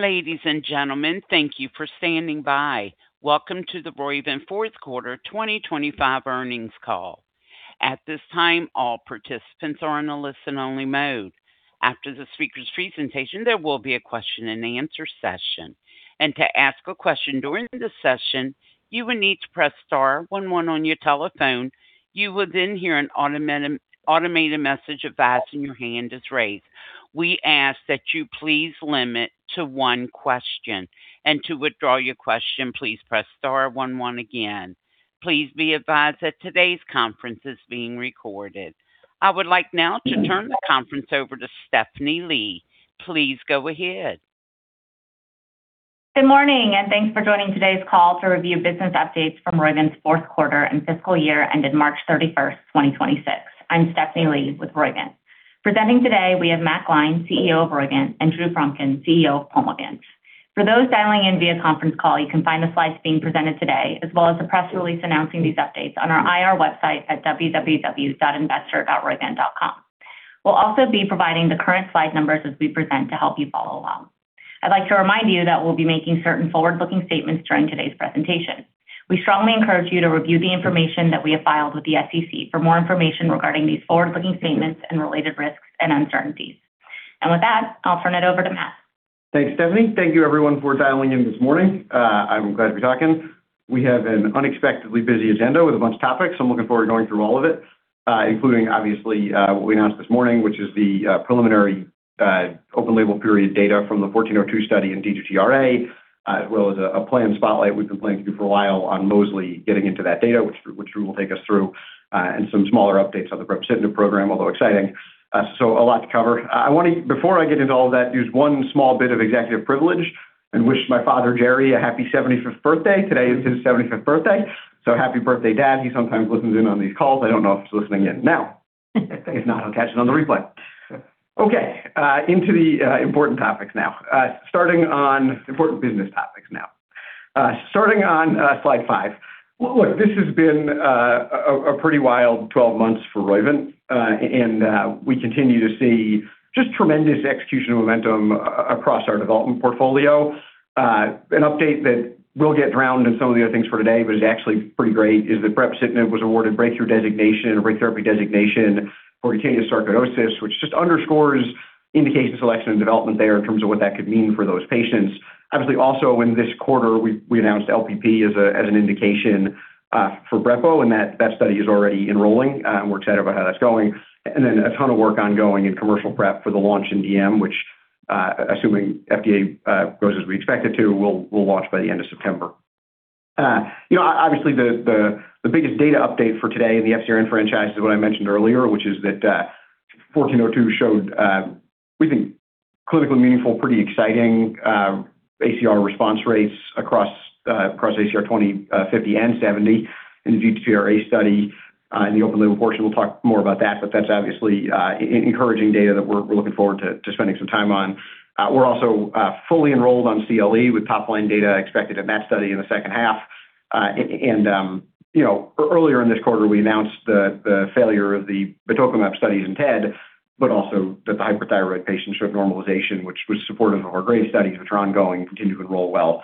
Ladies and gentlemen, thank you for standing by. Welcome to the Roivant Fourth Quarter 2025 Earnings Call. At this time all participants are in a listen-only mode. After the speaker's presentation, there will be a question-and-answer session. And to ask a question going into the session, you'll need to press star one one on your telephone. You will then hear an automated message asking if your your hand is raised. We ask that you please limit to one question. And to withdraw your question please press star one one again. Please be advised that today's conference is being recorded. I would like now to turn the conference over to Stephanie Lee. Please go ahead. Good morning. Thanks for joining today's call to review business updates from Roivant's fourth quarter and fiscal year ended March 31st, 2026. I'm Stephanie Lee with Roivant. Presenting today, we have Matt Gline, CEO of Roivant, and Drew Fromkin, CEO of Pulmovant. For those dialing in via conference call, you can find the slides being presented today, as well as the press release announcing these updates on our IR website at www.investor.roivant.com. We'll also be providing the current slide numbers as we present to help you follow along. I'd like to remind you that we'll be making certain forward-looking statements during today's presentation. We strongly encourage you to review the information that we have filed with the SEC for more information regarding these forward-looking statements and related risks and uncertainties. With that, I'll turn it over to Matt. Thanks, Stephanie. Thank you everyone for dialing in this morning. I'm glad to be talking. We have an unexpectedly busy agenda with a bunch of topics, so I'm looking forward to going through all of it, including obviously, what we announced this morning, which is the preliminary open-label period data from the 1402 study in D2T RA, as well as a planned spotlight we've been planning to do for a while on mosliciguat getting into that data, which Drew will take us through, and some smaller updates on the brepocitinib program, although exciting. A lot to cover. Before I get into all that, use one small bit of executive privilege and wish my father, Jerry, a happy 75th birthday. Today is his 75th birthday. Happy birthday, Dad. He sometimes listens in on these calls. I don't know if he's listening in now. If not, he'll catch it on the replay. Into the important topics now. Starting on slide five. This has been a pretty wild 12 months for Roivant. We continue to see just tremendous execution and momentum across our development portfolio. An update that will get drowned in some of the other things for today, but is actually pretty great, is that brepocitinib was awarded breakthrough designation and a rare therapy designation for cutaneous sarcoidosis, which just underscores indication selection and development there in terms of what that could mean for those patients. We announced LPP as an indication for brepo, and that study is already enrolling, and we're excited about how that's going. A ton of work ongoing in commercial prep for the launch in DM, which assuming FDA goes as we expect it to, will launch by the end of September. Obviously the biggest data update for today in the FcRn franchise is what I mentioned earlier, which is that 1402 showed, we think, clinically meaningful, pretty exciting ACR response rates across ACR20, ACR50, and ACR70 in the D2T RA study in the open label portion. We'll talk more about that's obviously encouraging data that we're looking forward to spending some time on. We're also fully enrolled on CLE with top-line data expected in that study in the second half. Earlier in this quarter, we announced the failure of the batoclimab studies in TED, but also that the hyperthyroid patients showed normalization, which was supportive of our Graves' studies, which are ongoing and continue to enroll well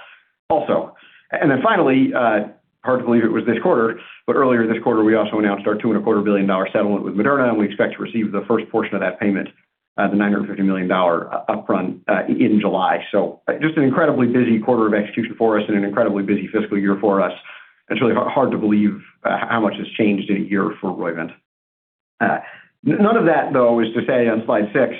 also. Finally, hard to believe it was this quarter, but earlier this quarter, we also announced our $2.25 billion settlement with Moderna, and we expect to receive the first portion of that payment, the $950 million upfront, in July. Just an incredibly busy quarter of execution for us and an incredibly busy fiscal year for us. It's really hard to believe how much has changed in a year for Roivant. None of that, though, is to say on slide six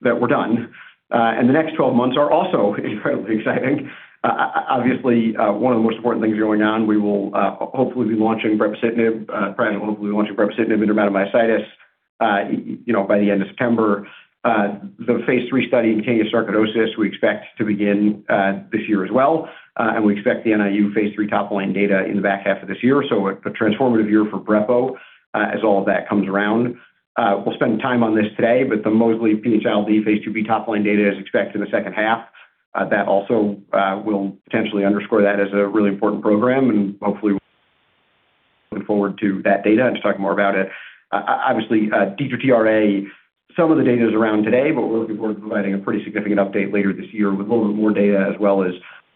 that we're done. The next 12 months are also incredibly exciting. Obviously, one of the most important things going on, we will hopefully be launching brepocitinib in dermatomyositis by the end of September. The phase III study in cutaneous sarcoidosis we expect to begin this year as well and we expect the NIU phase III top line data in the back half of this year. A transformative year for brepo as all of that comes around. We'll spend time on this today, but the mosliciguat PH-ILD phase II-B top line data is expected in the second half. That also will potentially underscore that as a really important program and hopefully looking forward to that data and just talking more about it. Obviously, D2T RA, some of the data is around today, but we're looking forward to providing a pretty significant update later this year with a little bit more data as well as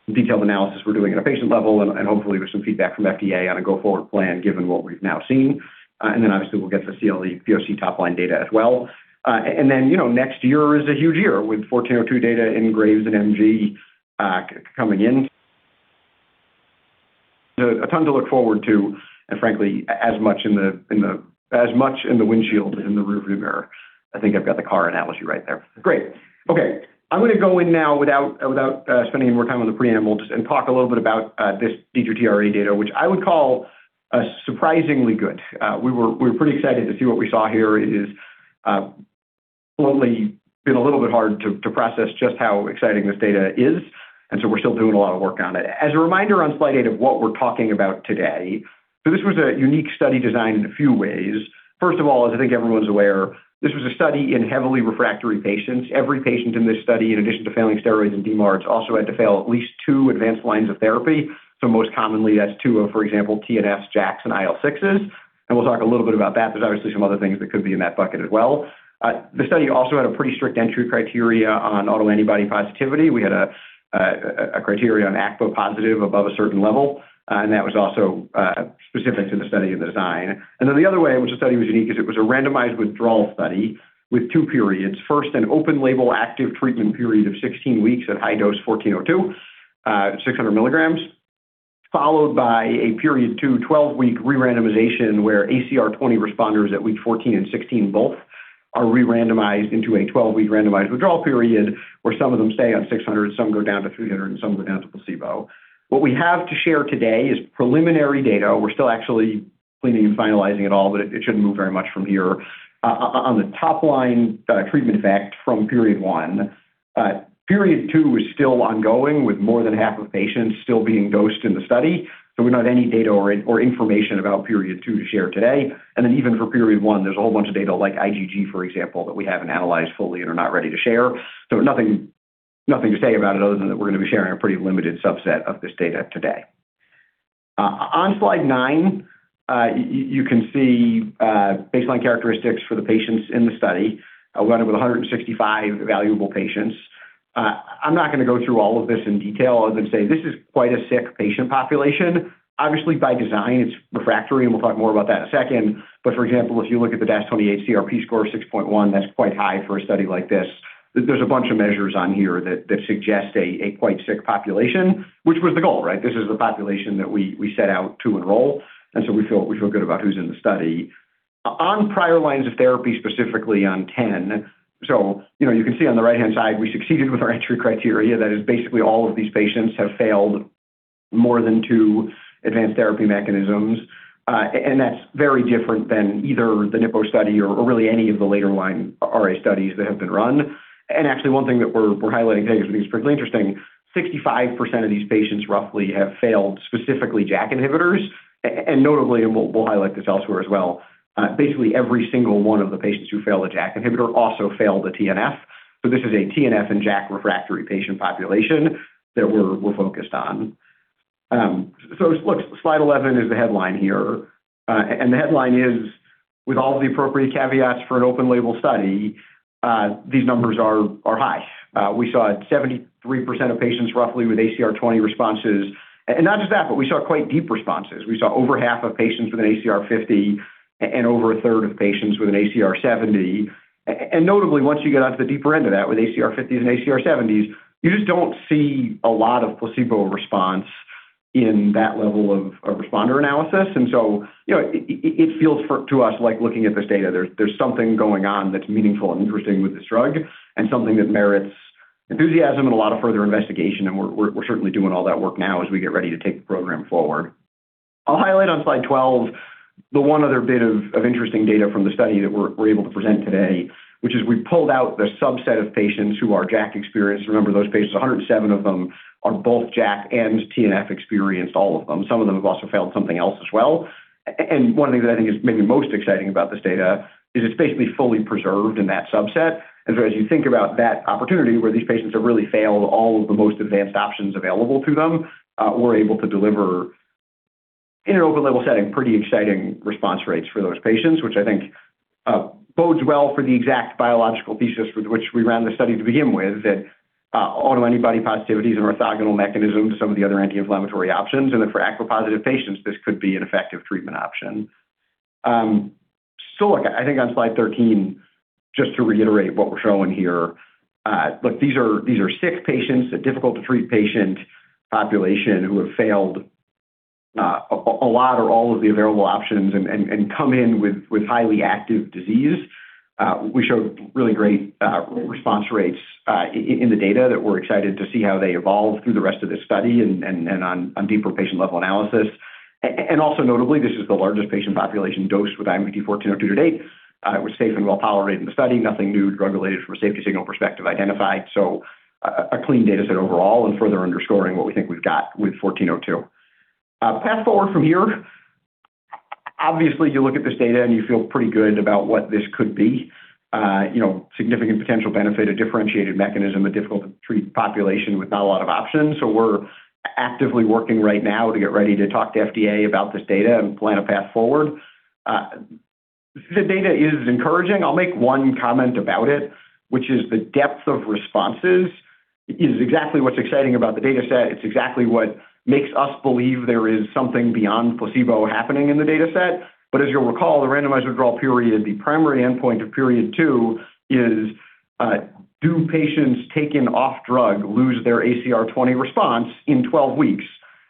some detailed analysis we're doing at a patient level and hopefully with some feedback from FDA on a go-forward plan given what we've now seen. Obviously we'll get the CLE PoC top line data as well. Next year is a huge year with 1402 data in Graves and MG coming in. A ton to look forward to, and frankly, as much in the windshield as in the rear view mirror. I think I've got the car analogy right there. Great. Okay. I'm going to go in now without spending any more time on the preamble and talk a little bit about this D2T RA data, which I would call surprisingly good. We were pretty excited to see what we saw here is slowly been a little bit hard to process just how exciting this data is, and so we're still doing a lot of work on it. As a reminder on slide eight of what we're talking about today. This was a unique study design in a few ways. First of all, as I think everyone's aware, this was a study in heavily refractory patients. Every patient in this study, in addition to failing steroids and DMARDs, also had to fail at least two advanced lines of therapy. Most commonly, that's two of, for example, TNFs, JAK, and IL-6s. We'll talk a little bit about that. There's obviously some other things that could be in that bucket as well. The study also had a pretty strict entry criteria on autoantibody positivity. We had a criteria on ACPA+ above a certain level. That was also specific to the study and the design. The other way in which the study was unique is it was a randomized withdrawal study with two periods. First, an open label active treatment period of 16 weeks at high dose 1402, 600 mg, followed by a period two, 12-week re-randomization where ACR20 responders at week 14 and 16 both are re-randomized into a 12-week randomized withdrawal period, where some of them stay on 600 mg, some go down to 300 mg, and some go down to placebo. What we have to share today is preliminary data. We're still actually cleaning and finalizing it all, but it shouldn't move very much from here. On the top line treatment effect from Period 1. Period 2 is still ongoing, with more than half of patients still being dosed in the study. We don't have any data or information about Period 2 to share today. Even for Period 1, there's a whole bunch of data like IgG, for example, that we haven't analyzed fully and are not ready to share. Nothing to say about it other than that we're going to be sharing a pretty limited subset of this data today. On slide nine, you can see baseline characteristics for the patients in the study. We wound up with 165 evaluable patients. I'm not going to go through all of this in detail other than say, this is quite a sick patient population. Obviously, by design, it's refractory, and we'll talk more about that in a second. For example, if you look at the DAS28 CRP score of 6.1, that's quite high for a study like this. There's a bunch of measures on here that suggest a quite sick population, which was the goal, right? This is the population that we set out to enroll, and so we feel good about who's in the study. On prior lines of therapy, specifically on 10. You can see on the right-hand side, we succeeded with our entry criteria. That is basically all of these patients have failed more than two advanced therapy mechanisms. That's very different than either the [NIPPON] study or really any of the later line RA studies that have been run. Actually, one thing that we're highlighting today, which I think is particularly interesting, 65% of these patients roughly have failed, specifically JAK inhibitors. Notably, and we'll highlight this elsewhere as well, basically every single one of the patients who failed a JAK inhibitor also failed a TNF. This is a TNF and JAK refractory patient population that we're focused on. Look, slide 11 is the headline here. The headline is, with all the appropriate caveats for an open label study, these numbers are high. We saw 73% of patients roughly with ACR20 responses. Not just that, but we saw quite deep responses. We saw over half of patients with an ACR50 and over 1/3 of patients with an ACR70. Notably, once you get onto the deeper end of that with ACR50s and ACR70s, you just don't see a lot of placebo response in that level of responder analysis. It feels to us like looking at this data, there's something going on that's meaningful and interesting with this drug and something that merits enthusiasm and a lot of further investigation. We're certainly doing all that work now as we get ready to take the program forward. I'll highlight on slide 12 the one other bit of interesting data from the study that we're able to present today, which is we pulled out the subset of patients who are JAK experienced. Remember, those patients, 107 of them are both JAK and TNF experienced, all of them. Some of them have also failed something else as well. One of the things that I think is maybe most exciting about this data is it's basically fully preserved in that subset. As you think about that opportunity where these patients have really failed all of the most advanced options available to them, we're able to deliver in an open label setting, pretty exciting response rates for those patients, which I think bodes well for the exact biological thesis with which we ran the study to begin with, that autoantibody positivity is an orthogonal mechanism to some of the other anti-inflammatory options, and that for ACPA+ patients, this could be an effective treatment option. Look, I think on slide 13, just to reiterate what we're showing here. Look, these are sick patients, a difficult to treat patient population who have failed a lot or all of the available options and come in with highly active disease. We showed really great response rates in the data that we're excited to see how they evolve through the rest of this study and on deeper patient-level analysis. Notably, this is the largest patient population dosed with IMVT-1402 to date. It was safe and well-tolerated in the study. Nothing new drug-related from a safety signal perspective identified. A clean data set overall and further underscoring what we think we've got with 1402. Fast-forward from here. Obviously, you look at this data and you feel pretty good about what this could be. Significant potential benefit, a differentiated mechanism, a difficult to treat population with not a lot of options. We're actively working right now to get ready to talk to FDA about this data and plan a path forward. The data is encouraging. I'll make one comment about it, which is the depth of responses is exactly what's exciting about the data set. It's exactly what makes us believe there is something beyond placebo happening in the data set. As you'll recall, the randomized withdrawal period, the primary endpoint of Period 2 is, do patients taken off drug lose their ACR20 response in 12 weeks?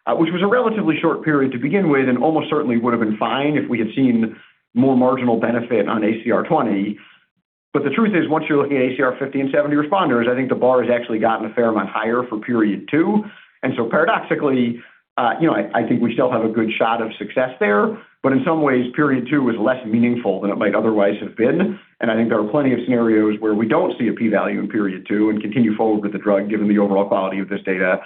Which was a relatively short period to begin with, and almost certainly would've been fine if we had seen more marginal benefit on ACR20. The truth is, once you're looking at ACR50 and ACR70 responders, I think the bar has actually gotten a fair amount higher for Period 2. Paradoxically I think we still have a good shot of success there, but in some ways, Period 2 was less meaningful than it might otherwise have been. I think there are plenty of scenarios where we don't see a P value in Period 2 and continue forward with the drug given the overall quality of this data.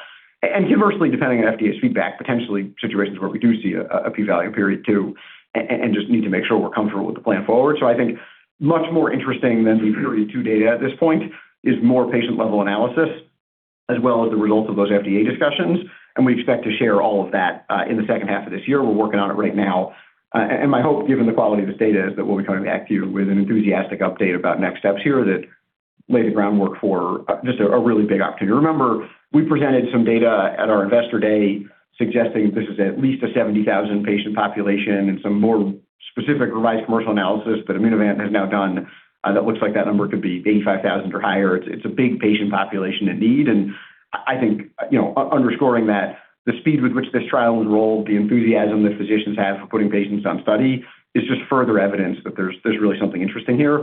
Conversely, depending on FDA's feedback, potentially situations where we do see a P value in Period 2 and just need to make sure we're comfortable with the plan forward. I think much more interesting than the Period 2 data at this point is more patient-level analysis, as well as the results of those FDA discussions. We expect to share all of that in the second half of this year. We're working on it right now. My hope, given the quality of this data, is that we'll be coming back to you with an enthusiastic update about next steps here that lay the groundwork for just a really big opportunity. Remember, we presented some data at our investor day suggesting this is at least a 70,000-patient population and some more specific revised commercial analysis that Immunovant has now done that looks like that number could be 85,000 or higher. It's a big patient population in need, and I think underscoring that the speed with which this trial enrolled, the enthusiasm that physicians have for putting patients on study is just further evidence that there's really something interesting here.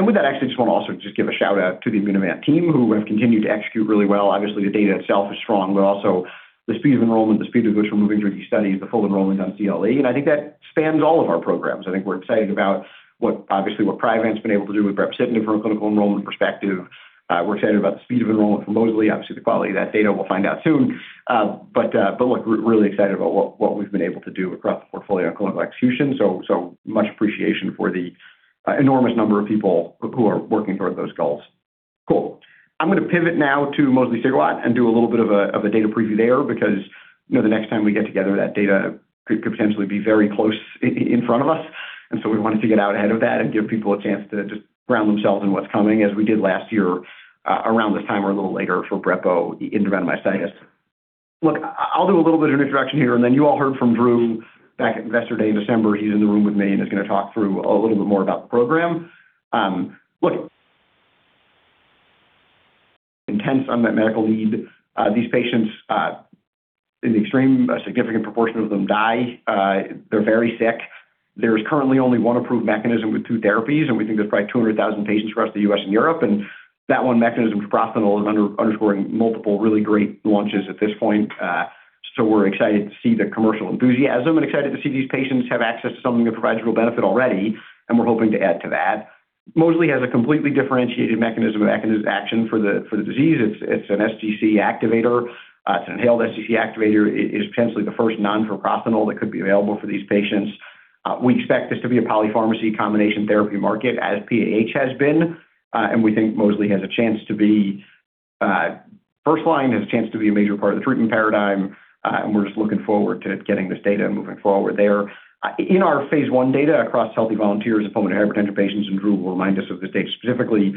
With that, I actually just want to also just give a shout-out to the Immunovant team who have continued to execute really well. Obviously, the data itself is strong, but also the speed of enrollment, the speed with which we're moving through these studies, the full enrollment on CLE, and I think that spans all of our programs. I think we're excited about obviously what Priovant's been able to do with brepocitinib from a clinical enrollment perspective. We're excited about the speed of enrollment for mosliciguat. Obviously, the quality of that data we'll find out soon. look, we're really excited about what we've been able to do across the portfolio on clinical execution. So much appreciation for the enormous number of people who are working towards those goals. Cool. I'm going to pivot now to mosliciguat and do a little bit of a data preview there because the next time we get together, that data could potentially be very close in front of us. we wanted to get out ahead of that and give people a chance to just ground themselves in what's coming, as we did last year around this time or a little later for brepo in dermatomyositis. Look, I'll do a little bit of an introduction here, and then you all heard from Drew back at Investor Day in December. He's in the room with me and is going to talk through a little bit more about the program. Look, intense unmet medical need. These patients, in the extreme, a significant proportion of them die. They're very sick. There's currently only one approved mechanism with two therapies, and we think there's probably 200,000 patients across the U.S. and Europe. That one mechanism for prostanoid underscoring multiple really great launches at this point. We're excited to see the commercial enthusiasm and excited to see these patients have access to something that provides real benefit already, and we're hoping to add to that. Mosliciguat has a completely differentiated mechanism of action for the disease. It's an sGC activator. It's an inhaled sGC activator. It is potentially the first non-prostanoid that could be available for these patients. We expect this to be a polypharmacy combination therapy market as PAH has been, and we think mosliciguat has a chance to be first line, has a chance to be a major part of the treatment paradigm, and we're just looking forward to getting this data and moving forward there. In our phase I data across healthy volunteers and pulmonary hypertension patients, and Drew will remind us of this data specifically,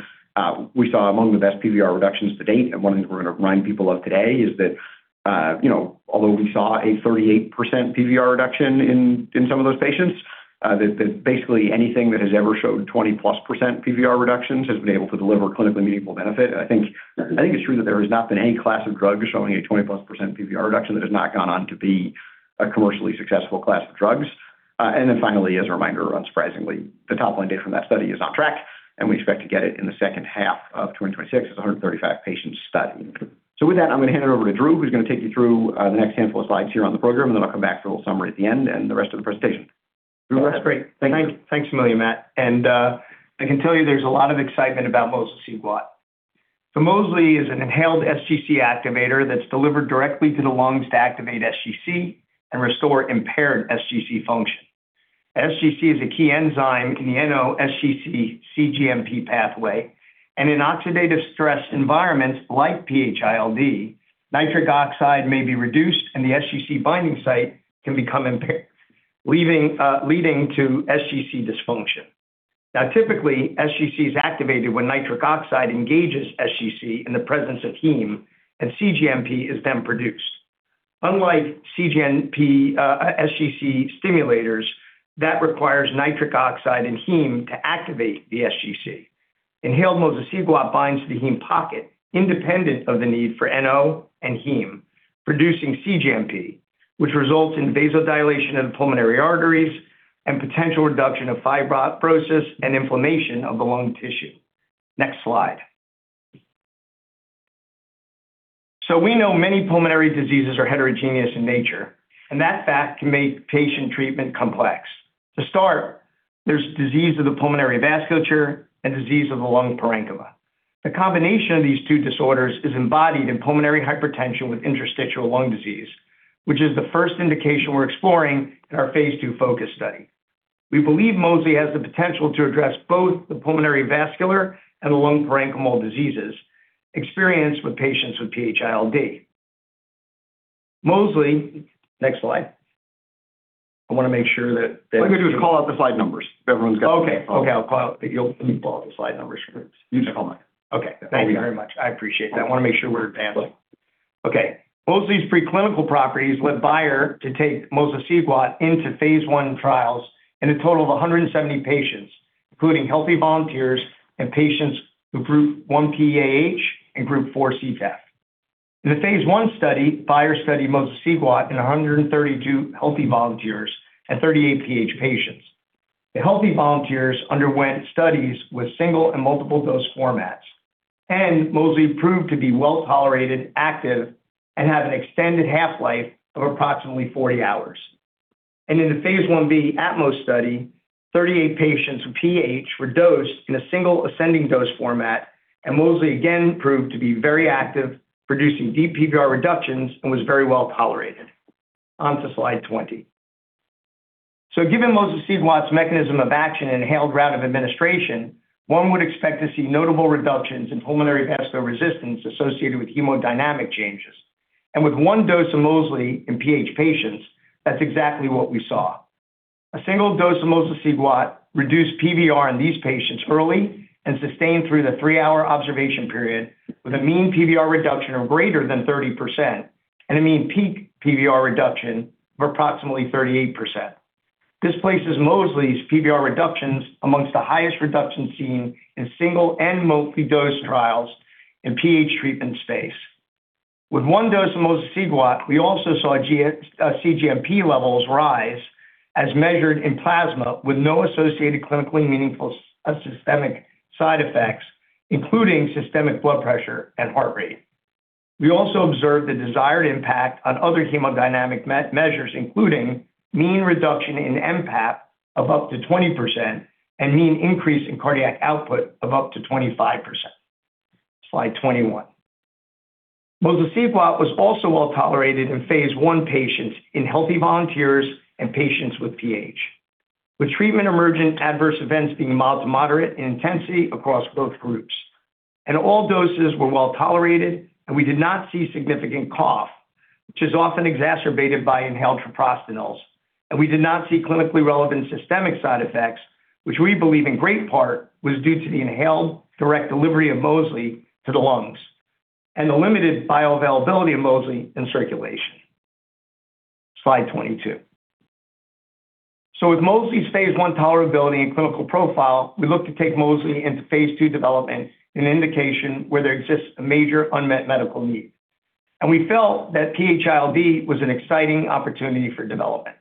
we saw among the best PVR reductions to date. one of the things we're going to remind people of today is that although we saw a 38% PVR reduction in some of those patients, that basically anything that has ever shown 20+% PVR reductions has been able to deliver clinically meaningful benefit. I think it's true that there has not been any class of drug showing a 20+% PVR reduction that has not gone on to be a commercially successful class of drugs. Finally, as a reminder, unsurprisingly, the top-line data from that study is on track, and we expect to get it in the second half of 2026. It's a 135-patient study. With that, I'm going to hand it over to Drew, who's going to take you through the next handful of slides here on the program, and then I'll come back for a little summary at the end and the rest of the presentation. Drew? That's great. Thank you. Thanks a million, Matt. I can tell you there's a lot of excitement about mosliciguat. Mosliciguat is an inhaled sGC activator that's delivered directly to the lungs to activate sGC and restore impaired sGC function. sGC is a key enzyme in the NO/sGC/cGMP pathway, and in oxidative stress environments like PH-ILD, nitric oxide may be reduced and the sGC binding site can become impaired, leading to sGC dysfunction. Now, typically, sGC is activated when nitric oxide engages sGC in the presence of heme, and cGMP is then produced. Unlike cGMP sGC stimulators that requires nitric oxide and heme to activate the sGC, inhaled mosliciguat binds to the heme pocket independent of the need for NO and heme, producing cGMP, which results in vasodilation of the pulmonary arteries and potential reduction of fibrosis and inflammation of the lung tissue. Next slide. We know many pulmonary diseases are heterogeneous in nature, and that fact can make patient treatment complex. To start, there's disease of the pulmonary vasculature and disease of the lung parenchyma. The combination of these two disorders is embodied in pulmonary hypertension with interstitial lung disease, which is the first indication we're exploring in our phase II PHocus study. We believe mosliciguat has the potential to address both the pulmonary vascular and the lung parenchymal diseases experienced with patients with PH-ILD. Mosliciguat. Next slide. I want to make sure that- What I'm going to do is call out the slide numbers. Everyone's got- Okay. I'll call out. You call out the slide numbers for me. You can call them out. Okay. Thank you. Thank you very much. I appreciate that. I want to make sure we're advancing. Okay. Mosliciguat preclinical properties led Bayer to take mosliciguat into phase I trials in a total of 170 patients, including healthy volunteers and patients with Group I PAH and Group IV CTEPH. In the phase I study, Bayer studied mosliciguat in 132 healthy volunteers and 38 PH patients. The healthy volunteers underwent studies with single and multiple dose formats, and mosliciguat proved to be well-tolerated, active, and have an extended half-life of approximately 40 hours. In the phase I-B ATMOS study, 38 patients with PH were dosed in a single ascending dose format, and mosliciguat again proved to be very active, producing deep PVR reductions, and was very well tolerated. On to slide 20. Given mosliciguat's mechanism of action inhaled route of administration, one would expect to see notable reductions in pulmonary vascular resistance associated with hemodynamic changes. With one dose of mosliciguat in PH patients, that's exactly what we saw. A single dose of mosliciguat reduced PVR in these patients early and sustained through the three-hour observation period with a mean PVR reduction of greater than 30% and a mean peak PVR reduction of approximately 38%. This places mosliciguat's PVR reductions amongst the highest reductions seen in single and multi-dose trials in PH treatment space. With one dose of mosliciguat, we also saw cGMP levels rise as measured in plasma with no associated clinically meaningful systemic side effects, including systemic blood pressure and heart rate. We also observed the desired impact on other hemodynamic measures, including mean reduction in mPAP of up to 20% and mean increase in cardiac output of up to 25%. Slide 21. Mosliciguat was also well-tolerated in phase I patients, in healthy volunteers, and patients with PH, with treatment-emergent adverse events being mild to moderate in intensity across both groups. All doses were well-tolerated, and we did not see significant cough, which is often exacerbated by inhaled treprostinil. We did not see clinically relevant systemic side effects, which we believe in great part was due to the inhaled direct delivery of mosliciguat to the lungs and the limited bioavailability of mosliciguat in circulation. Slide 22. With mosliciguat's phase I tolerability and clinical profile, we look to take mosliciguat into phase II development, an indication where there exists a major unmet medical need. We felt that PH-ILD was an exciting opportunity for development.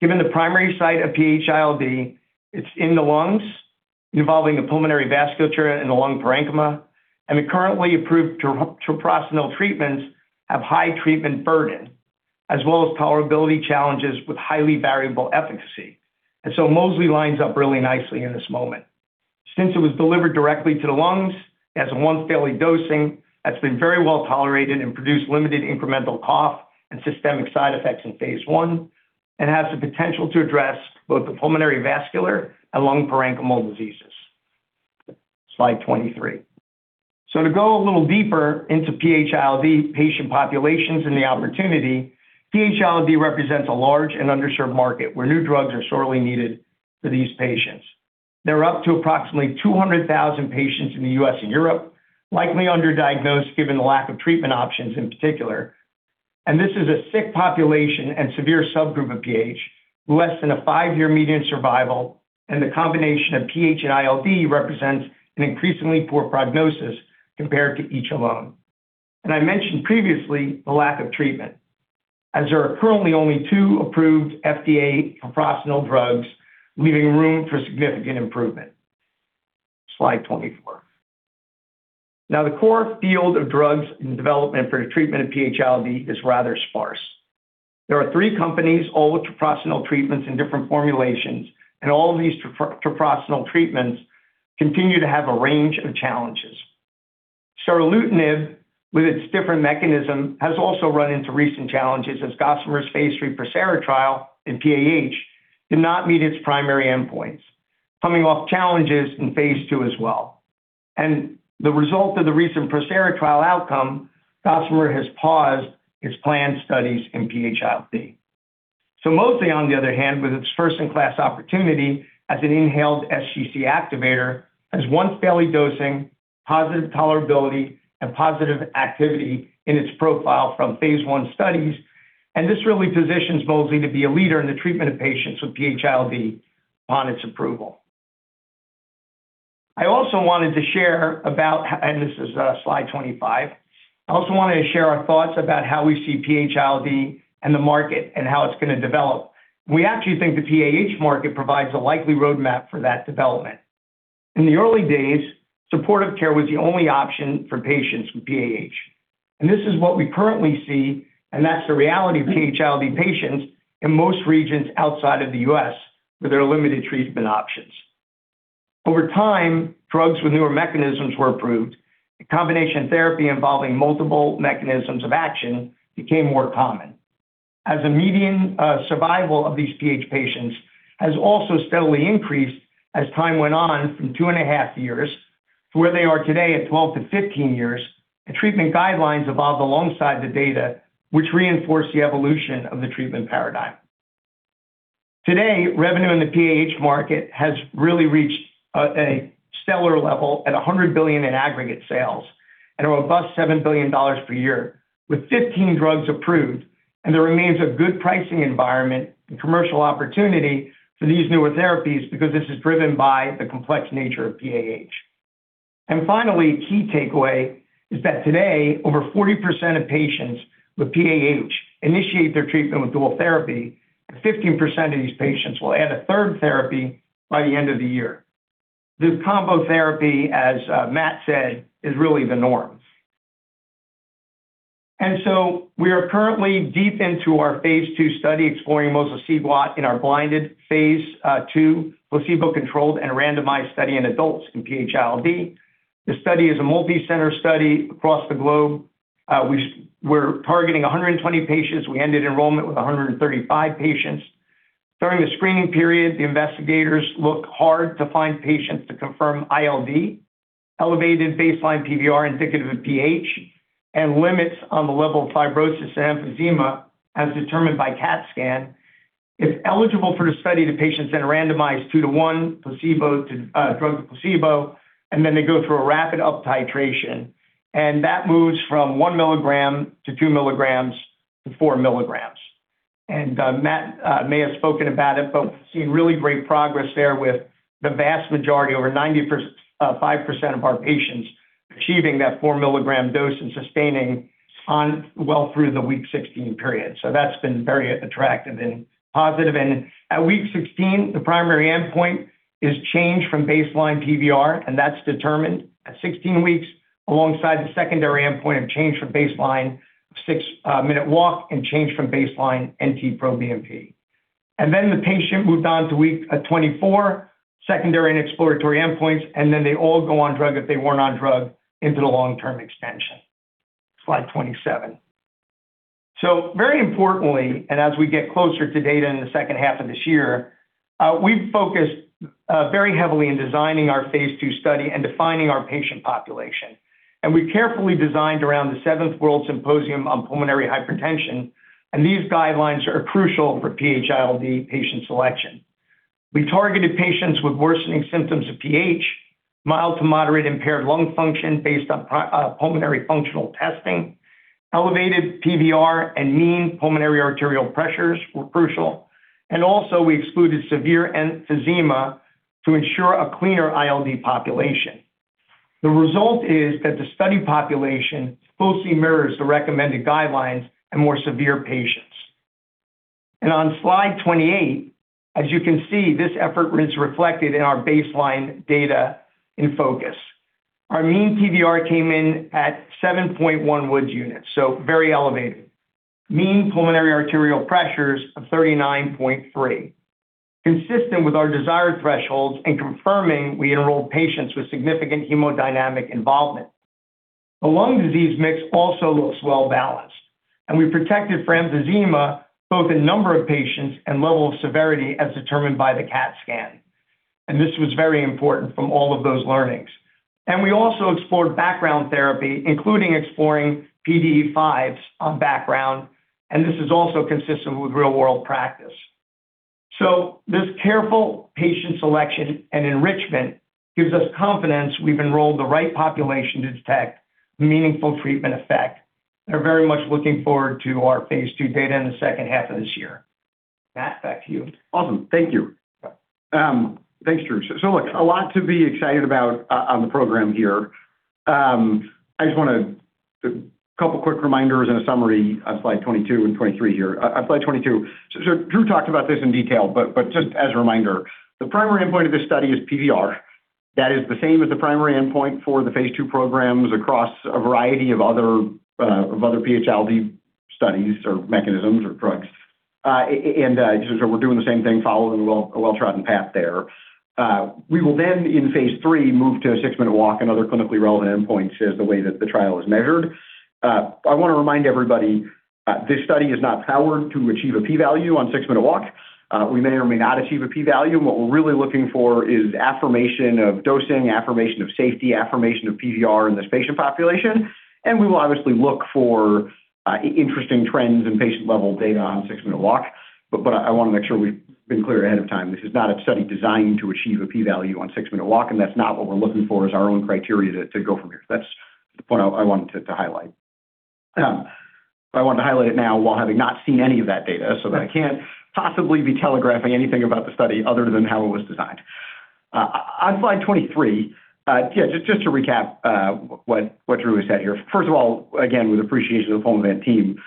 Given the primary site of PH-ILD, it's in the lungs, involving the pulmonary vasculature and the lung parenchyma, and the currently approved treprostinil treatments have high treatment burden, as well as tolerability challenges with highly variable efficacy. Mosliciguat lines up really nicely in this moment. Since it was delivered directly to the lungs as a once-daily dosing, that's been very well tolerated and produced limited incremental cough and systemic side effects in phase I, and has the potential to address both the pulmonary vascular and lung parenchymal diseases. Slide 23. To go a little deeper into PH-ILD patient populations and the opportunity, PH-ILD represents a large and underserved market where new drugs are sorely needed for these patients. There are up to approximately 200,000 patients in the U.S. and Europe, likely underdiagnosed given the lack of treatment options in particular. This is a sick population and severe subgroup of PH, less than a five-year median survival, and the combination of PH-ILD represents an increasingly poor prognosis compared to each alone. I mentioned previously the lack of treatment, as there are currently only two approved FDA treprostinil drugs, leaving room for significant improvement. Slide 24. Now the core field of drugs in development for the treatment of PH-ILD is rather sparse. There are three companies, all with treprostinil treatments in different formulations, and all of these treprostinil treatments continue to have a range of challenges. Seralutinib, with its different mechanism, has also run into recent challenges as Gossamer's phase III PROSERA trial in PAH did not meet its primary endpoints, coming off challenges in phase II as well. The result of the recent PROSERA trial outcome, Gossamer has paused its planned studies in PH-ILD. Mosliciguat on the other hand, with its first-in-class opportunity as an inhaled sGC activator, has once-daily dosing, positive tolerability, and positive activity in its profile from phase I studies. This really positions mosliciguat to be a leader in the treatment of patients with PH-ILD upon its approval. This is slide 25. I also wanted to share our thoughts about how we see PH-ILD and the market and how it's going to develop. We actually think the PAH market provides a likely roadmap for that development. In the early days, supportive care was the only option for patients with PAH. This is what we currently see, and that's the reality of PH-ILD patients in most regions outside of the U.S., where there are limited treatment options. Over time, drugs with newer mechanisms were approved, and combination therapy involving multiple mechanisms of action became more common. As the median survival of these PH patients has also steadily increased as time went on from 2.5 years to where they are today at 12-15 years, the treatment guidelines evolved alongside the data, which reinforced the evolution of the treatment paradigm. Today, revenue in the PAH market has really reached a stellar level at $100 billion in aggregate sales and a robust $7 billion per year, with 15 drugs approved, and there remains a good pricing environment and commercial opportunity for these newer therapies because this is driven by the complex nature of PAH. Finally, key takeaway is that today over 40% of patients with PAH initiate their treatment with dual therapy, and 15% of these patients will add a third therapy by the end of the year. This combo therapy, as Matt said, is really the norm. We are currently deep into our phase II study exploring mosliciguat in our blinded phase II placebo-controlled and randomized study in adults in PH-ILD. The study is a multicenter study across the globe. We're targeting 120 patients. We ended enrollment with 135 patients. During the screening period, the investigators looked hard to find patients to confirm ILD, elevated baseline PVR indicative of PH, and limits on the level of fibrosis and emphysema as determined by CAT scan. If eligible for the study, the patients then randomized two-to-one, drug to placebo, and then they go through a rapid uptitration, and that moves from 1 mg-2 mg to 4 mg. Matt may have spoken about it, but we've seen really great progress there with the vast majority, over 95% of our patients achieving that 4 mg dose and sustaining well through the week 16 period. That's been very attractive and positive. At week 16, the primary endpoint is change from baseline PVR, and that's determined at 16 weeks alongside the secondary endpoint of change from baseline six-minute walk and change from baseline NT-proBNP. The patient moved on to week 24, secondary and exploratory endpoints, and then they all go on drug if they weren't on drug into the long-term extension. Slide 27. very importantly, and as we get closer to data in the second half of this year, we've focused very heavily in designing our phase II study and defining our patient population. we carefully designed around the Seventh World Symposium on Pulmonary Hypertension, and these guidelines are crucial for PH-ILD patient selection. We targeted patients with worsening symptoms of PH, mild to moderate impaired lung function based on pulmonary functional testing, elevated PVR and mean pulmonary arterial pressures were crucial, and also we excluded severe emphysema to ensure a cleaner ILD population. The result is that the study population closely mirrors the recommended guidelines in more severe patients. On slide 28, as you can see, this effort is reflected in our baseline data in PHocus. Our mean PVR came in at 7.1 Wood units, so very elevated. Mean pulmonary arterial pressures of 39.3, consistent with our desired thresholds and confirming we enrolled patients with significant hemodynamic involvement. The lung disease mix also looks well-balanced, and we protected for emphysema both in number of patients and level of severity as determined by the CAT scan. This was very important from all of those learnings. We also explored background therapy, including exploring PDE5i on background, and this is also consistent with real-world practice. This careful patient selection and enrichment gives us confidence we've enrolled the right population to detect meaningful treatment effect, and are very much looking forward to our phase II data in the second half of this year. Matt, back to you. Awesome. Thank you. Thanks, Drew. Look, a lot to be excited about on the program here. Just a couple quick reminders and a summary on slide 22 and 23 here. On slide 22, so Drew talked about this in detail, but just as a reminder, the primary endpoint of this study is PVR. That is the same as the primary endpoint for the phase II programs across a variety of other PH-ILD studies or mechanisms or drugs. We're doing the same thing, following a well-trodden path there. We will then, in phase III, move to a six-minute walk and other clinically relevant endpoints as the way that the trial is measured. I want to remind everybody, this study is not powered to achieve a P value on six-minute walk. We may or may not achieve a P value, and what we're really looking for is affirmation of dosing, affirmation of safety, affirmation of PVR in this patient population, and we will obviously look for interesting trends in patient-level data on six-minute walk. I want to make sure we've been clear ahead of time. This is not a study designed to achieve a P value on six-minute walk, and that's not what we're looking for as our own criteria to go from here. That's the point I wanted to highlight. I wanted to highlight it now while having not seen any of that data, so that I can't possibly be telegraphing anything about the study other than how it was designed. On slide 23, just to recap what Drew has said here. First of all, again, with appreciation to the Pulmovant team,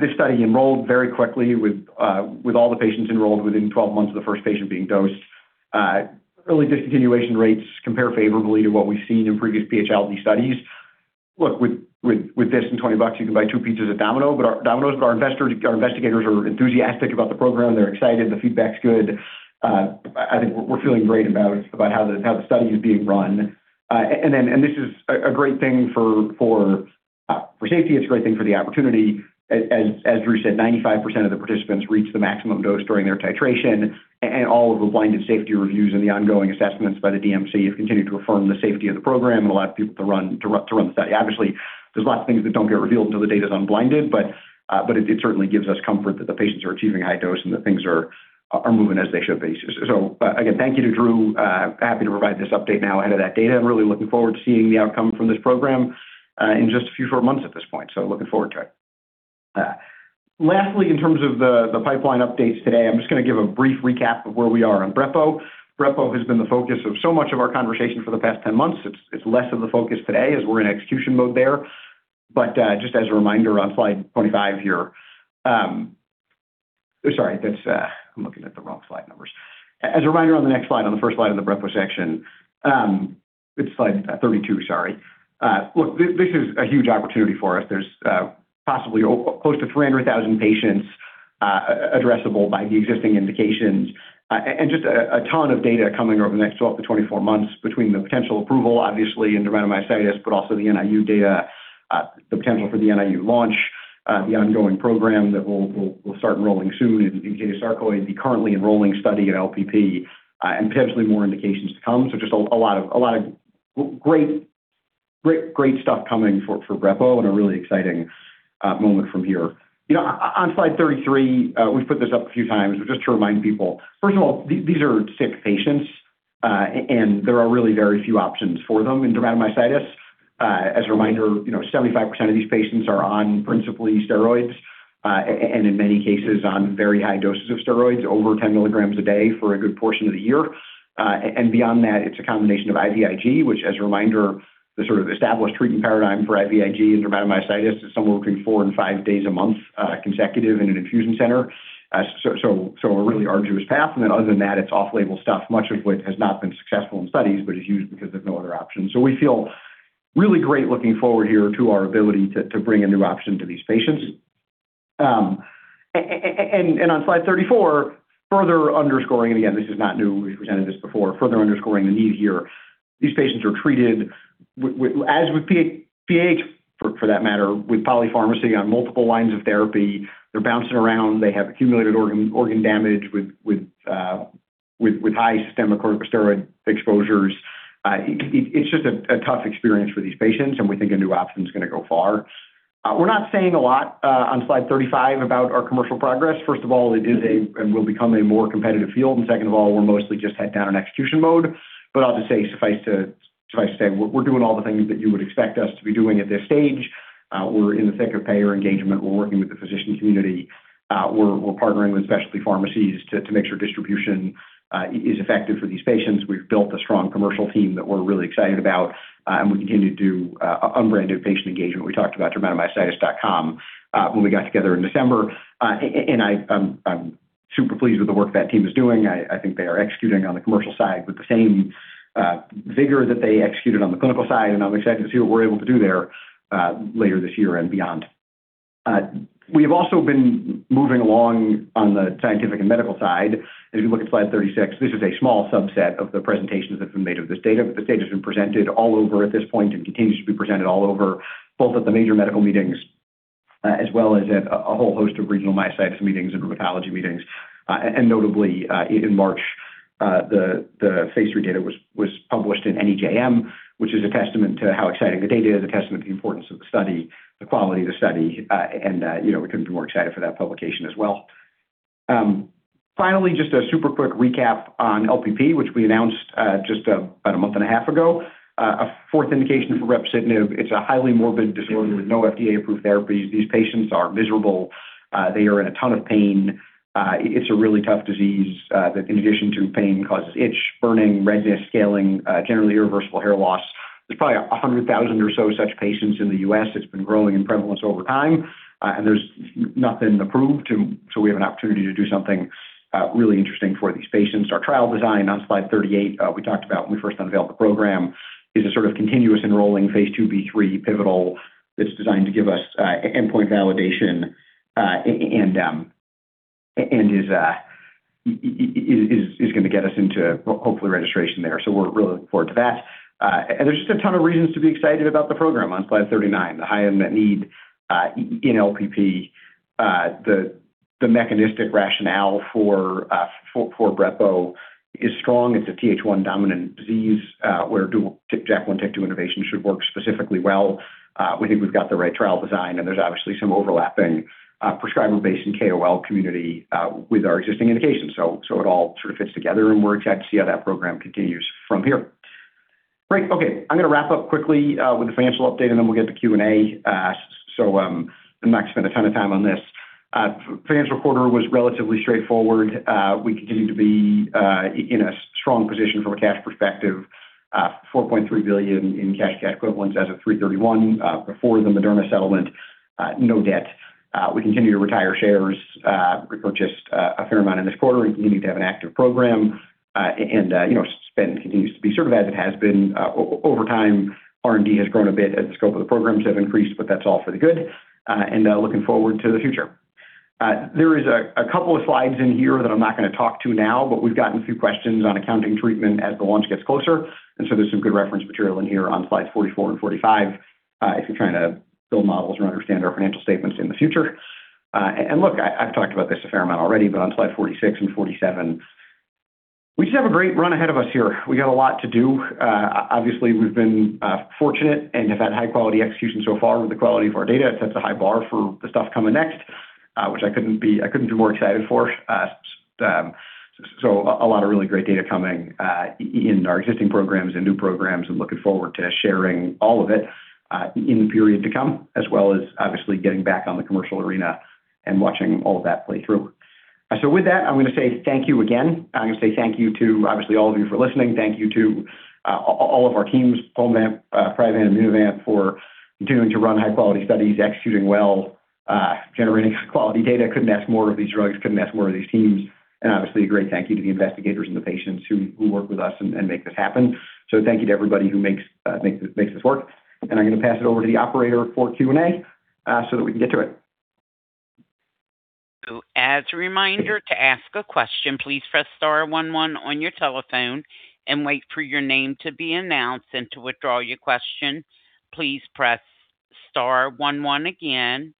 this study enrolled very quickly with all the patients enrolled within 12 months of the first patient being dosed. Early discontinuation rates compare favorably to what we've seen in previous PH-ILD studies. Look, with this and 20 bucks, you can buy two pizzas at Domino's, but our investigators are enthusiastic about the program. They're excited. The feedback's good. I think we're feeling great about how the study is being run. This is a great thing for safety. It's a great thing for the opportunity. As Drew said, 95% of the participants reached the maximum dose during their titration, and all of the blinded safety reviews and the ongoing assessments by the DMC have continued to affirm the safety of the program and allowed people to run the study. Obviously, there's lots of things that don't get revealed until the data's unblinded, but it certainly gives us comfort that the patients are achieving high dose and that things are moving as they should be. Again, thank you to Drew. Happy to provide this update now ahead of that data. I'm really looking forward to seeing the outcome from this program in just a few short months at this point. Looking forward to it. Lastly, in terms of the pipeline updates today, I'm just going to give a brief recap of where we are on brepo. Brepo has been the focus of so much of our conversation for the past 10 months. It's less of a focus today as we're in execution mode there. Just as a reminder on slide 25 here. Sorry, I'm looking at the wrong slide numbers. As a reminder on the next slide, on the first slide of the brepo section, it's slide 32, sorry. Look, this is a huge opportunity for us. There's possibly close to 300,000 patients addressable by the existing indications and just a ton of data coming over the next 12-24 months between the potential approval, obviously, in dermatomyositis, but also the NIU data, the potential for the NIU launch, the ongoing program that we'll start enrolling soon in cutaneous sarcoid, the currently enrolling study at LPP, and potentially more indications to come. Just a lot of great stuff coming for brepo and a really exciting moment from here. On slide 33, we've put this up a few times, just to remind people. First of all, these are sick patients, and there are really very few options for them in dermatomyositis. As a reminder, 75% of these patients are on principally steroids, and in many cases on very high doses of steroids, over 10 mg a day for a good portion of the year. Beyond that, it's a combination of IVIG, which, as a reminder, the sort of established treatment paradigm for IVIG in dermatomyositis is somewhere between four and five days a month consecutive in an infusion center. A really arduous path. Other than that, it's off-label stuff, much of which has not been successful in studies, but is used because there's no other option. We feel really great looking forward here to our ability to bring a new option to these patients. On slide 34, further underscoring, and again, this is not new, we've presented this before, further underscoring the need here. These patients are treated, as with PH, for that matter, with polypharmacy on multiple lines of therapy. They're bouncing around. They have accumulated organ damage with high systemic steroid exposures. It's just a tough experience for these patients, and we think a new option is going to go far. We're not saying a lot on slide 35 about our commercial progress. First of all, it is a, and will become, a more competitive field, and second of all, we're mostly just head down in execution mode. I'll just say, suffice to say, we're doing all the things that you would expect us to be doing at this stage. We're in the thick of payer engagement. We're working with the physician community. We're partnering with specialty pharmacies to make sure distribution is effective for these patients. We've built a strong commercial team that we're really excited about, and we continue to do unbranded patient engagement. We talked about dermatomyositis.com when we got together in December. I'm super pleased with the work that team is doing. I think they are executing on the commercial side with the same vigor that they executed on the clinical side. I'm excited to see what we're able to do there later this year and beyond. We've also been moving along on the scientific and medical side. If you look at slide 36, this is a small subset of the presentations that have been made of this data, but the data's been presented all over at this point and continues to be presented all over, both at the major medical meetings as well as at a whole host of regional myositis meetings and rheumatology meetings. Notably, in March, the phase III data was published in NEJM, which is a testament to how exciting the data is, a testament to the importance of the study, the quality of the study, and we couldn't be more excited for that publication as well. Finally, just a super quick recap on LPP, which we announced just about a month and a half ago. A fourth indication for brepocitinib. It's a highly morbid disorder with no FDA-approved therapies. These patients are miserable. They are in a ton of pain. It's a really tough disease that, in addition to pain, causes itch, burning, redness, scaling, generally irreversible hair loss. There's probably 100,000 or so such patients in the U.S. It's been growing in prevalence over time, and there's nothing approved, so we have an opportunity to do something really interesting for these patients. Our trial design on slide 38, we talked about when we first unveiled the program, is a sort of continuous enrolling phase II/III pivotal that's designed to give us endpoint validation and is going to get us into, hopefully, registration there. We're really looking forward to that. There's just a ton of reasons to be excited about the program on slide 39. The high unmet need in LPP. The mechanistic rationale for brepo is strong. It's a Th1-dominant disease where dual JAK1/JAK2 inhibition should work specifically well. We think we've got the right trial design, and there's obviously some overlapping prescriber base and KOL community with our existing indications. It all sort of fits together, and we're excited to see how that program continues from here. Great. Okay. I'm going to wrap up quickly with the financial update, and then we'll get to Q&A. I'm not going to spend a ton of time on this. Financial quarter was relatively straightforward. We continue to be in a strong position from a cash perspective. $4.3 billion in cash equivalents as of 3/31 before the Moderna settlement. No debt. We continue to retire shares. We purchased a fair amount in this quarter. We continue to have an active program. Spend continues to be sort of as it has been. Over time, R&D has grown a bit as the scope of the programs have increased, but that's all for the good, and looking forward to the future. There is a couple of slides in here that I'm not going to talk to now, but we've gotten a few questions on accounting treatment as the launch gets closer, and so there's some good reference material in here on slides 44 and 45 if you're trying to build models or understand our financial statements in the future. Look, I've talked about this a fair amount already, but on slide 46 and 47, we just have a great run ahead of us here. We got a lot to do. Obviously, we've been fortunate and have had high-quality execution so far with the quality of our data. It sets a high bar for the stuff coming next. Which I couldn't be more excited for. A lot of really great data coming in our existing programs and new programs, and looking forward to sharing all of it in the period to come, as well as obviously getting back on the commercial arena and watching all of that play through. With that, I'm going to say thank you again. I'm going to say thank you to, obviously, all of you for listening. Thank you to all of our teams, Pulmovant, Priovant and Immunovant for continuing to run high-quality studies, executing well, generating quality data. Couldn't ask more of these drugs, couldn't ask more of these teams. Obviously, a great thank you to the investigators and the patients who work with us and make this happen. Thank you to everybody who makes this work. I'm going to pass it over to the operator for Q&A so that we can get to it. As a reminder to ask a question, please press star one one on your telephone and wait for your name to be announced and to withdraw your question, please press star one one again.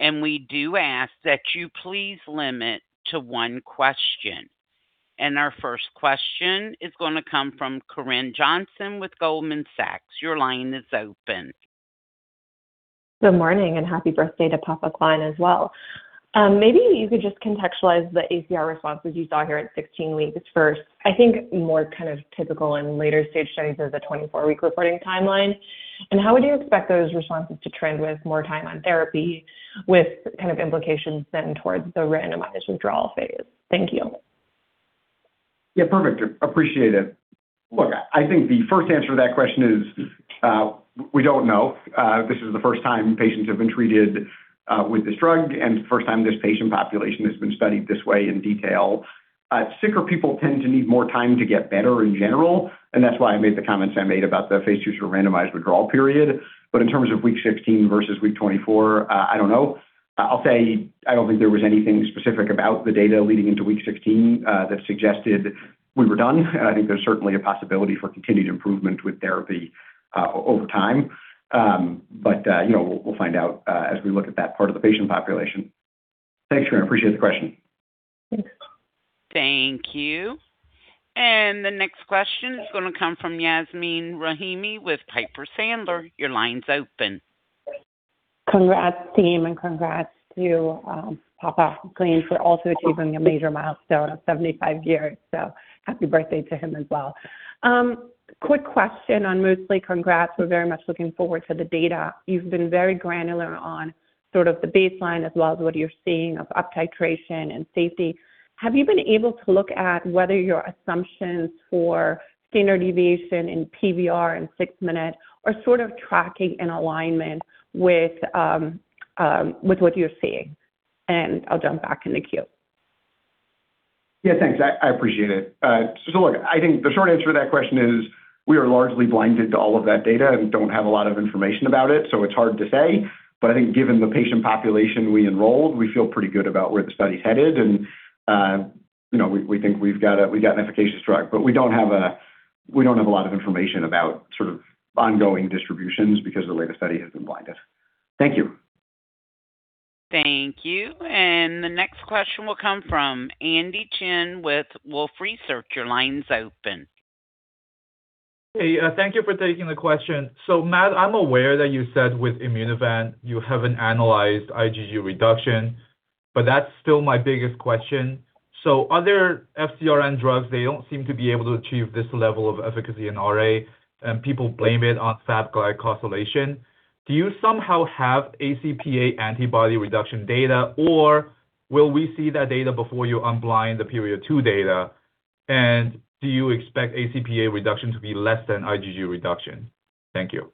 We do ask that you please limit to one question. Our first question is going to come from Corinne Johnson with Goldman Sachs. Your line is open. Good morning, and happy birthday to Papa Gline as well. Maybe you could just contextualize the ACR responses you saw here at 16 weeks first. I think more kind of typical in later-stage studies, there's a 24-week reporting timeline. How would you expect those responses to trend with more time on therapy with kind of implications then towards the randomized withdrawal phase? Thank you. Yeah, perfect. Appreciate it. Look, I think the first answer to that question is, we don't know. This is the first time patients have been treated with this drug and first time this patient population has been studied this way in detail. Sicker people tend to need more time to get better in general, and that's why I made the comments I made about the phase II sort of randomized withdrawal period. In terms of week 16 versus week 24, I don't know. I'll say I don't think there was anything specific about the data leading into week 16 that suggested we were done. I think there's certainly a possibility for continued improvement with therapy over time. We'll find out as we look at that part of the patient population. Thanks, Corinne. Appreciate the question. Thanks. Thank you. The next question is going to come from Yasmeen Rahimi with Piper Sandler. Your line's open. Congrats team and congrats to Papa Gline for also achieving a major milestone of 75 years. Happy birthday to him as well. Quick question on mostly congrats. We're very much looking forward to the data. You've been very granular on sort of the baseline as well as what you're seeing of up titration and safety. Have you been able to look at whether your assumptions for standard deviation in PVR and six-minute are sort of tracking in alignment with what you're seeing? I'll jump back in the queue. Yeah, thanks. I appreciate it. Look, I think the short answer to that question is we are largely blinded to all of that data and don't have a lot of information about it, so it's hard to say. I think given the patient population we enrolled, we feel pretty good about where the study's headed, and we think we've got an efficacious drug. We don't have a lot of information about sort of ongoing distributions because the way the study has been blinded. Thank you. Thank you. The next question will come from Andy Chen with Wolfe Research. Your line's open. Hey, thank you for taking the question. Matt, I'm aware that you said with Immunovant you haven't analyzed IgG reduction, but that's still my biggest question. Other FcRn drugs, they don't seem to be able to achieve this level of efficacy in RA, and people blame it on Fab glycosylation. Do you somehow have ACPA antibody reduction data, or will we see that data before you unblind the Period 2 data? Do you expect ACPA reduction to be less than IgG reduction? Thank you.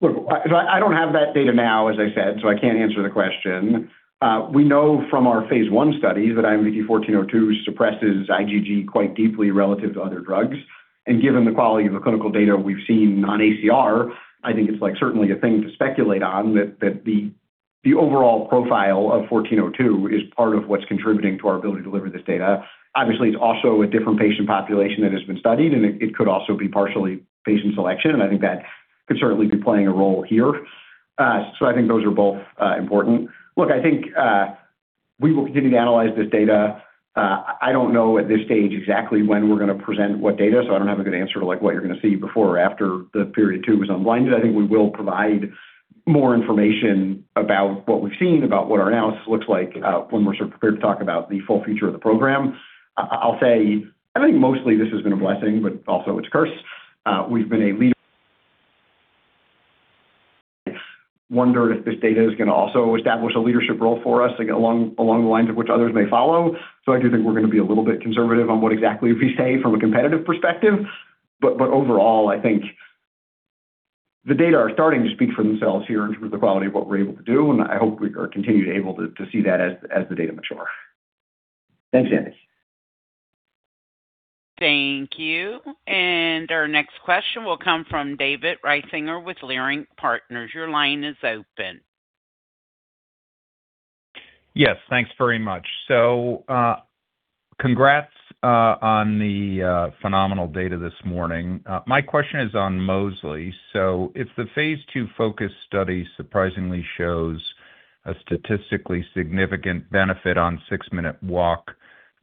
Look, I don't have that data now, as I said, so I can't answer the question. We know from our phase I studies that IMVT-1402 suppresses IgG quite deeply relative to other drugs. Given the quality of the clinical data we've seen on ACR, I think it's certainly a thing to speculate on that the overall profile of 1402 is part of what's contributing to our ability to deliver this data. Obviously, it's also a different patient population that has been studied, and it could also be partially patient selection, and I think that could certainly be playing a role here. I think those are both important. Look, I think we will continue to analyze this data. I don't know at this stage exactly when we're going to present what data, so I don't have a good answer to what you're going to see before or after the Period 2 is unblind. I think we will provide more information about what we've seen, about what our analysis looks like, when we're sort of prepared to talk about the full future of the program. I'll say I think mostly this has been a blessing, but also it's a curse. We've been a leader wonder if this data is going to also establish a leadership role for us along the lines of which others may follow. I do think we're going to be a little bit conservative on what exactly we say from a competitive perspective. Overall, I think the data are starting to speak for themselves here in terms of the quality of what we're able to do, and I hope we are continued able to see that as the data mature. Thanks, Andy. Thank you. Our next question will come from David Risinger with Leerink Partners. Your line is open. Yes, thanks very much. Congrats on the phenomenal data this morning. My question is on mosliciguat. If the phase II PHocus study surprisingly shows a statistically significant benefit on six-minute walk.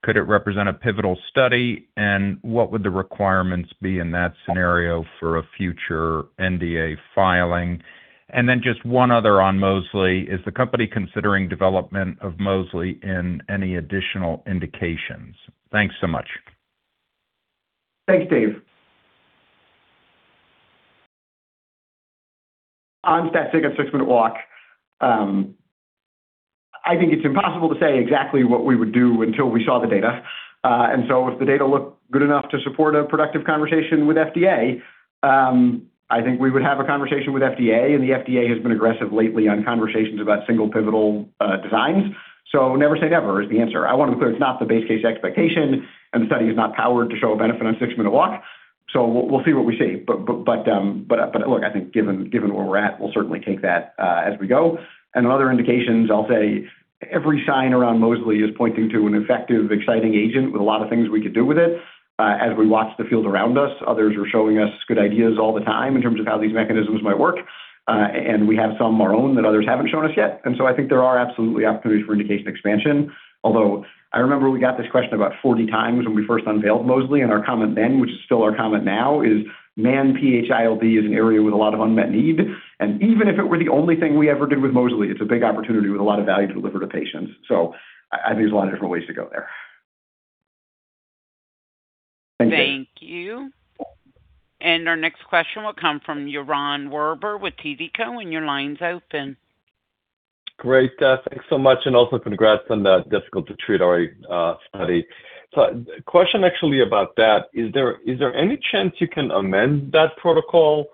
Could it represent a pivotal study? What would the requirements be in that scenario for a future NDA filing? Then just one other on mosliciguat. Is the company considering development of mosliciguat in any additional indications? Thanks so much. Thanks, Dave. On [stat sig] at six-minute walk, I think it's impossible to say exactly what we would do until we saw the data. If the data looked good enough to support a productive conversation with FDA, I think we would have a conversation with FDA. The FDA has been aggressive lately on conversations about single pivotal designs. Never say never is the answer. I want to be clear, it's not the base case expectation, and the study is not powered to show a benefit on six-minute walk, so we'll see what we see. Look, I think given where we're at, we'll certainly take that as we go. On other indications, I'll say every sign around mosliciguat is pointing to an effective, exciting agent with a lot of things we could do with it. As we watch the field around us, others are showing us good ideas all the time in terms of how these mechanisms might work. We have some of our own that others haven't shown us yet. I think there are absolutely opportunities for indication expansion. Although, I remember we got this question about 40 times when we first unveiled mosliciguat, and our comment then, which is still our comment now, is PH-ILD is an area with a lot of unmet need. Even if it were the only thing we ever did with mosliciguat, it's a big opportunity with a lot of value to deliver to patients. I think there's a lot of different ways to go there. Thank you. Thank you. Our next question will come from Yaron Werber with TD Cowen. Your line's open. Great. Thanks so much, and also congrats on that difficult-to-treat RA study. Question actually about that. Is there any chance you can amend that protocol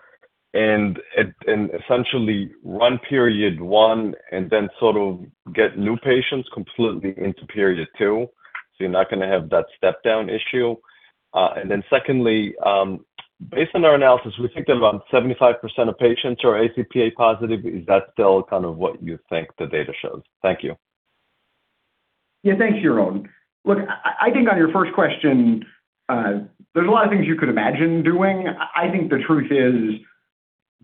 and essentially run Period 1 and then sort of get new patients completely into Period 2, so you're not going to have that step-down issue? Secondly, based on our analysis, we think that about 75% of patients are ACPA+. Is that still kind of what you think the data shows? Thank you. Thanks, Yaron. Look, I think on your first question, there's a lot of things you could imagine doing. I think the truth is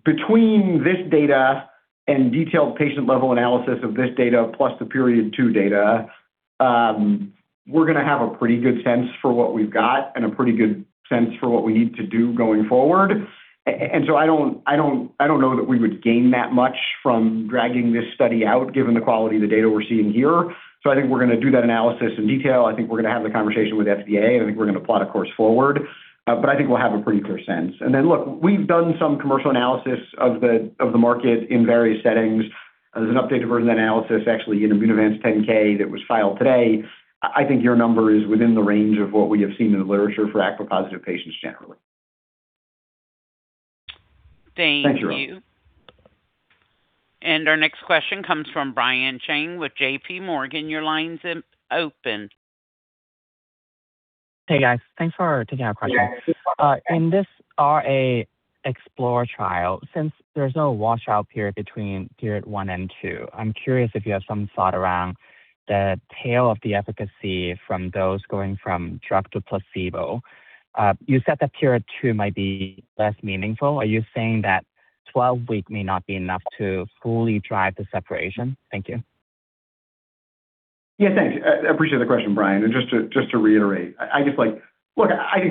between this data and detailed patient-level analysis of this data plus the Period 2 data, we're going to have a pretty good sense for what we've got and a pretty good sense for what we need to do going forward. I don't know that we would gain that much from dragging this study out given the quality of the data we're seeing here. I think we're going to do that analysis in detail. I think we're going to have the conversation with FDA, and I think we're going to plot a course forward. I think we'll have a pretty clear sense. Then, look, we've done some commercial analysis of the market in various settings. There's an updated version of analysis actually in Immunovant's 10-K that was filed today. I think your number is within the range of what we have seen in the literature for ACPA+ patients generally. Thank you. Thanks, Yaron. Our next question comes from Brian Cheng with JPMorgan. Your line's open. Hey, guys. Thanks for taking our question. In this RA Explore trial, since there's no washout period between Period 1 and 2, I'm curious if you have some thought around the tail of the efficacy from those going from drug to placebo. You said that Period 2 might be less meaningful. Are you saying that 12 weeks may not be enough to fully drive the separation? Thank you. Yeah, thanks. I appreciate the question, Brian. Just to reiterate, I think,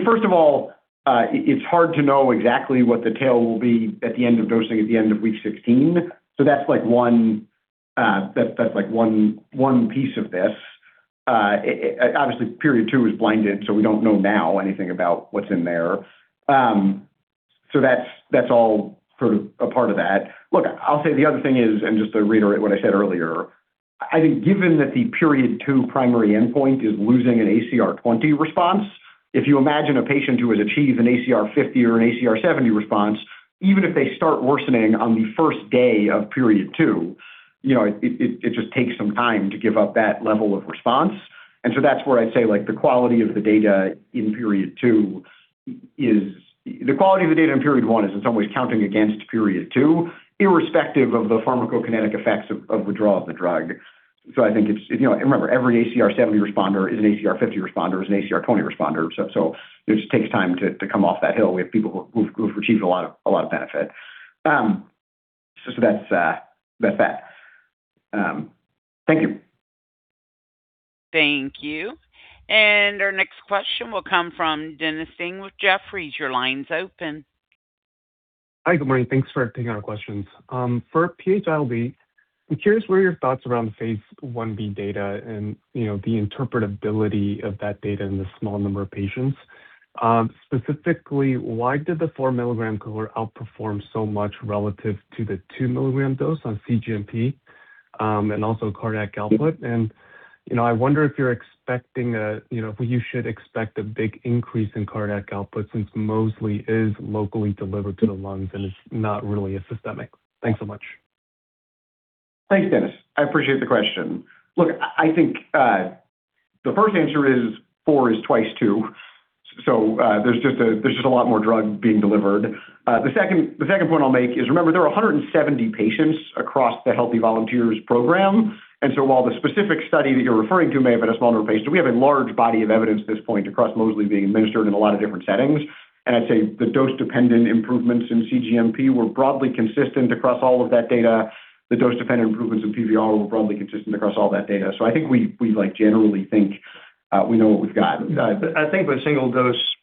first of all, it's hard to know exactly what the tail will be at the end of dosing at the end of week 16. That's one piece of this. Obviously, Period 2 is blinded, so we don't know now anything about what's in there. That's all sort of a part of that. Look, I'll say the other thing is, and just to reiterate what I said earlier, I think given that the Period 2 primary endpoint is losing an ACR20 response, if you imagine a patient who has achieved an ACR50 or an ACR70 response, even if they start worsening on the first day of Period 2, it just takes some time to give up that level of response. That's where I'd say the quality of the data in Period 1 is in some ways counting against Period 2, irrespective of the pharmacokinetic effects of withdrawal of the drug. I think remember, every ACR70 responder is an ACR50 responder, is an ACR20 responder. It just takes time to come off that hill. We have people who've achieved a lot of benefit. That's that. Thank you. Thank you. Our next question will come from Dennis Ding with Jefferies. Your line's open. Hi. Good morning. Thanks for taking our questions. For PH-ILD, I'm curious what are your thoughts around the phase I-B data and the interpretability of that data in the small number of patients. Specifically, why did the 4 mg cohort outperform so much relative to the 2 mg dose on cGMP, and also cardiac output? I wonder if you should expect a big increase in cardiac output since mosliciguat is locally delivered to the lungs and it's not really a systemic. Thanks so much. Thanks, Dennis. I appreciate the question. I think the first answer is 4 mg is twice 2 mg, so there's just a lot more drug being delivered. The second point I'll make is, remember, there are 170 patients across the Healthy Volunteers program. While the specific study that you're referring to may have had a smaller patient, we have a large body of evidence at this point across mosliciguat being administered in a lot of different settings. I'd say the dose-dependent improvements in cGMP were broadly consistent across all of that data. The dose-dependent improvements in PVR were broadly consistent across all that data. I think we generally think we know what we've got. I think with a single dose-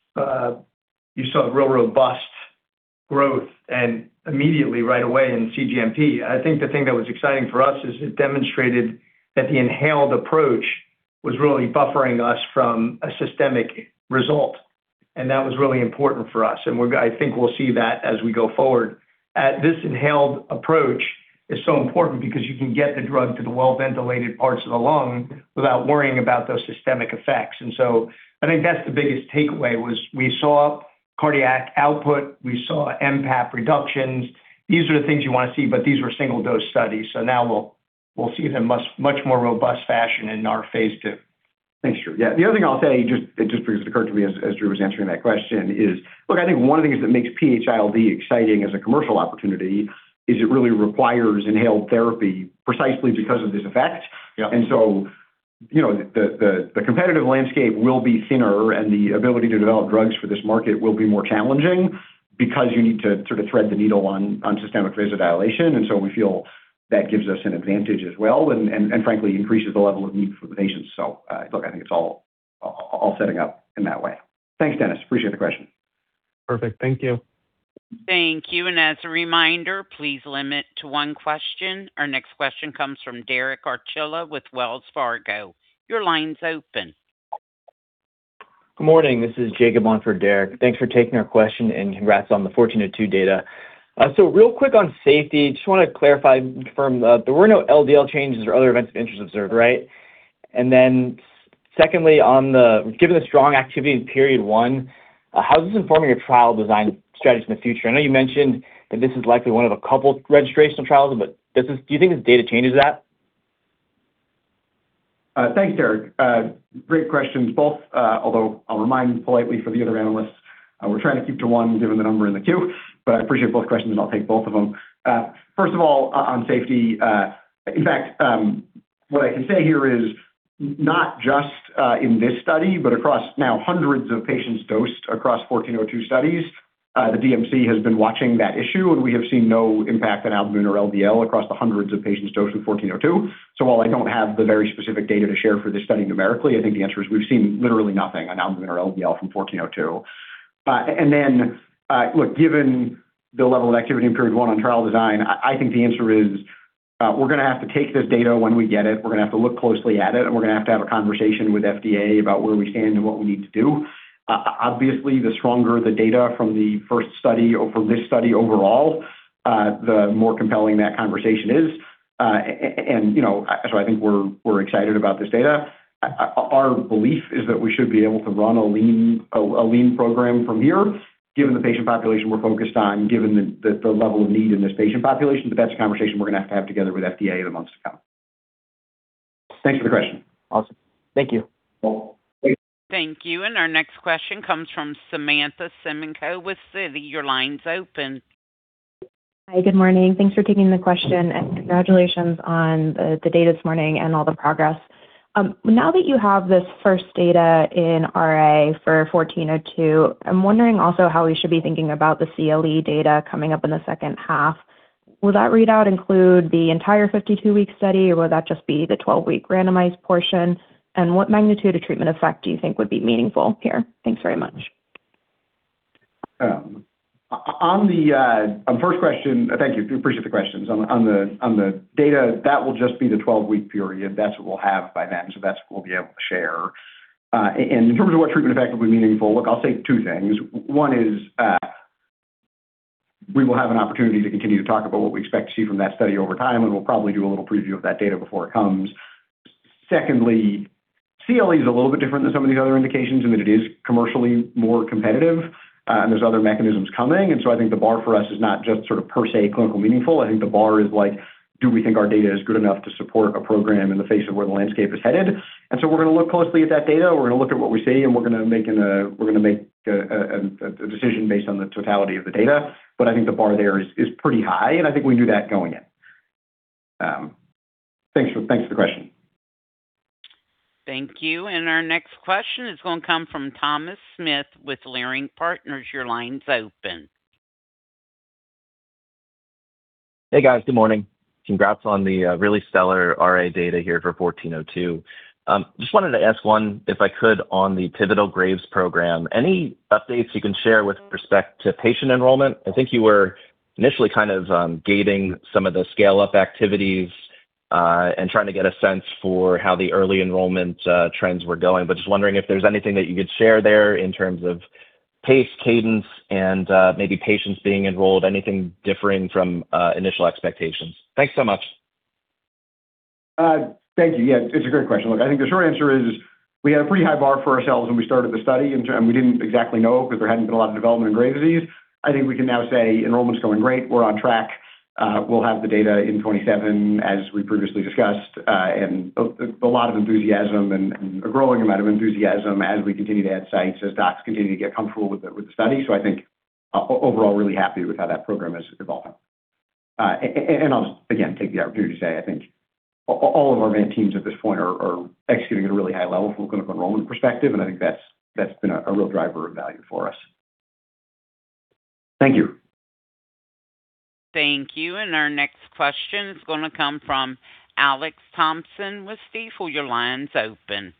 You saw real robust growth and immediately right away in cGMP. I think the thing that was exciting for us is it demonstrated that the inhaled approach was really buffering us from a systemic result, and that was really important for us. I think we'll see that as we go forward. This inhaled approach is so important because you can get the drug to the well-ventilated parts of the lung without worrying about those systemic effects. I think that's the biggest takeaway was we saw cardiac output, we saw mPAP reductions. These are the things you want to see, but these were single-dose studies, so now we'll see them much more robust fashion in our phase II. Thanks, Drew. Yeah, the other thing I'll say, it just occurred to me as Drew was answering that question is, look, I think one of the things that makes PH-ILD exciting as a commercial opportunity is it really requires inhaled therapy precisely because of this effect. Yeah. The competitive landscape will be thinner and the ability to develop drugs for this market will be more challenging because you need to sort of thread the needle on systemic vasodilation. We feel that gives us an advantage as well and frankly increases the level of need for the patients. Look, I think it is all setting up in that way. Thanks, Dennis. Appreciate the question. Perfect. Thank you. Thank you. As a reminder, please limit to one question. Our next question comes from Derek Archila with Wells Fargo. Your line's open. Good morning. This is Jacob on for Derek. Thanks for taking our question and congrats on the 1402 data. Real quick on safety, just want to clarify, confirm there were no LDL changes or other events of interest observed, right? Secondly, given the strong activity in period one, how is this informing your trial design strategy in the future? I know you mentioned that this is likely one of a couple registrational trials, do you think this data changes that? Thanks, Derek. Great questions both. I'll remind politely for the other analysts we're trying to keep to one given the number in the queue. I appreciate both questions and I'll take both of them. On safety. What I can say here is not just in this study, but across now hundreds of patients dosed across 1402 studies the DMC has been watching that issue and we have seen no impact on albumin or LDL across the hundreds of patients dosed with 1402. While I don't have the very specific data to share for this study numerically, I think the answer is we've seen literally nothing on albumin or LDL from 1402. Look, given the level of activity in Period 1 on trial design, I think the answer is we're going to have to take this data when we get it. We're going to have to look closely at it and we're going to have to have a conversation with FDA about where we stand and what we need to do. Obviously, the stronger the data from the first study or from this study overall the more compelling that conversation is. That's why I think we're excited about this data. Our belief is that we should be able to run a lean program from here, given the patient population we're focused on, given the level of need in this patient population. That's a conversation we're going to have to have together with FDA in the months to come. Thanks for the question. Awesome. Thank you. Cool. Thanks. Thank you. Our next question comes from Samantha Semenkow with Citi. Your line's open. Hi, good morning. Thanks for taking the question and congratulations on the data this morning and all the progress. Now that you have this first data in RA for 1402, I'm wondering also how we should be thinking about the CLE data coming up in the second half. Will that readout include the entire 52-week study or will that just be the 12-week randomized portion? What magnitude of treatment effect do you think would be meaningful here? Thanks very much. On first question. Thank you. Appreciate the questions. On the data, that will just be the 12-week period. That's what we'll have by then. That's what we'll be able to share. In terms of what treatment effect will be meaningful, look, I'll say two things. One is we will have an opportunity to continue to talk about what we expect to see from that study over time, and we'll probably do a little preview of that data before it comes. Secondly, CLE is a little bit different than some of these other indications in that it is commercially more competitive and there's other mechanisms coming. I think the bar for us is not just sort of per se clinical meaningful. I think the bar is do we think our data is good enough to support a program in the face of where the landscape is headed? We're going to look closely at that data. We're going to look at what we see, and we're going to make a decision based on the totality of the data. I think the bar there is pretty high, and I think we knew that going in. Thanks for the question. Thank you. Our next question is going to come from Thomas Smith with Leerink Partners. Your line's open. Hey, guys. Good morning. Congrats on the really stellar RA data here for 1402. Just wanted to ask one if I could, on the pivotal Graves' program. Any updates you can share with respect to patient enrollment? I think you were initially kind of gating some of the scale-up activities and trying to get a sense for how the early enrollment trends were going. Just wondering if there's anything that you could share there in terms of pace, cadence and maybe patients being enrolled, anything differing from initial expectations. Thanks so much. Thank you. Yeah, it's a great question. Look, I think the short answer is we had a pretty high bar for ourselves when we started the study, and we didn't exactly know because there hadn't been a lot of development in Graves' disease. I think we can now say enrollment's going great. We're on track. We'll have the data in 2027 as we previously discussed and a lot of enthusiasm and a growing amount of enthusiasm as we continue to add sites, as docs continue to get comfortable with the study. I think overall really happy with how that program is evolving. I'll again take the opportunity to say I think all of our main teams at this point are executing at a really high level from a clinical enrollment perspective, and I think that's been a real driver of value for us. Thank you. Thank you. Our next question is going to come from Alex Thompson with Stifel. Your line's open.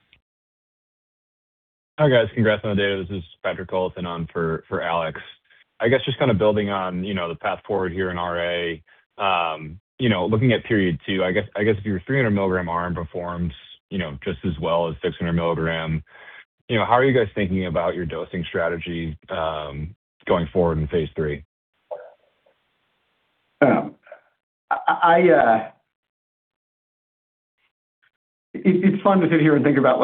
Hi, guys. Congrats on the data. This is Patrick Culliton on for Alex. I guess just building on the path forward here in RA. Looking at Period 2, I guess if your 300 mg performs just as well as 600 mg, how are you guys thinking about your dosing strategy going forward in phase III? It's fun to sit here and think about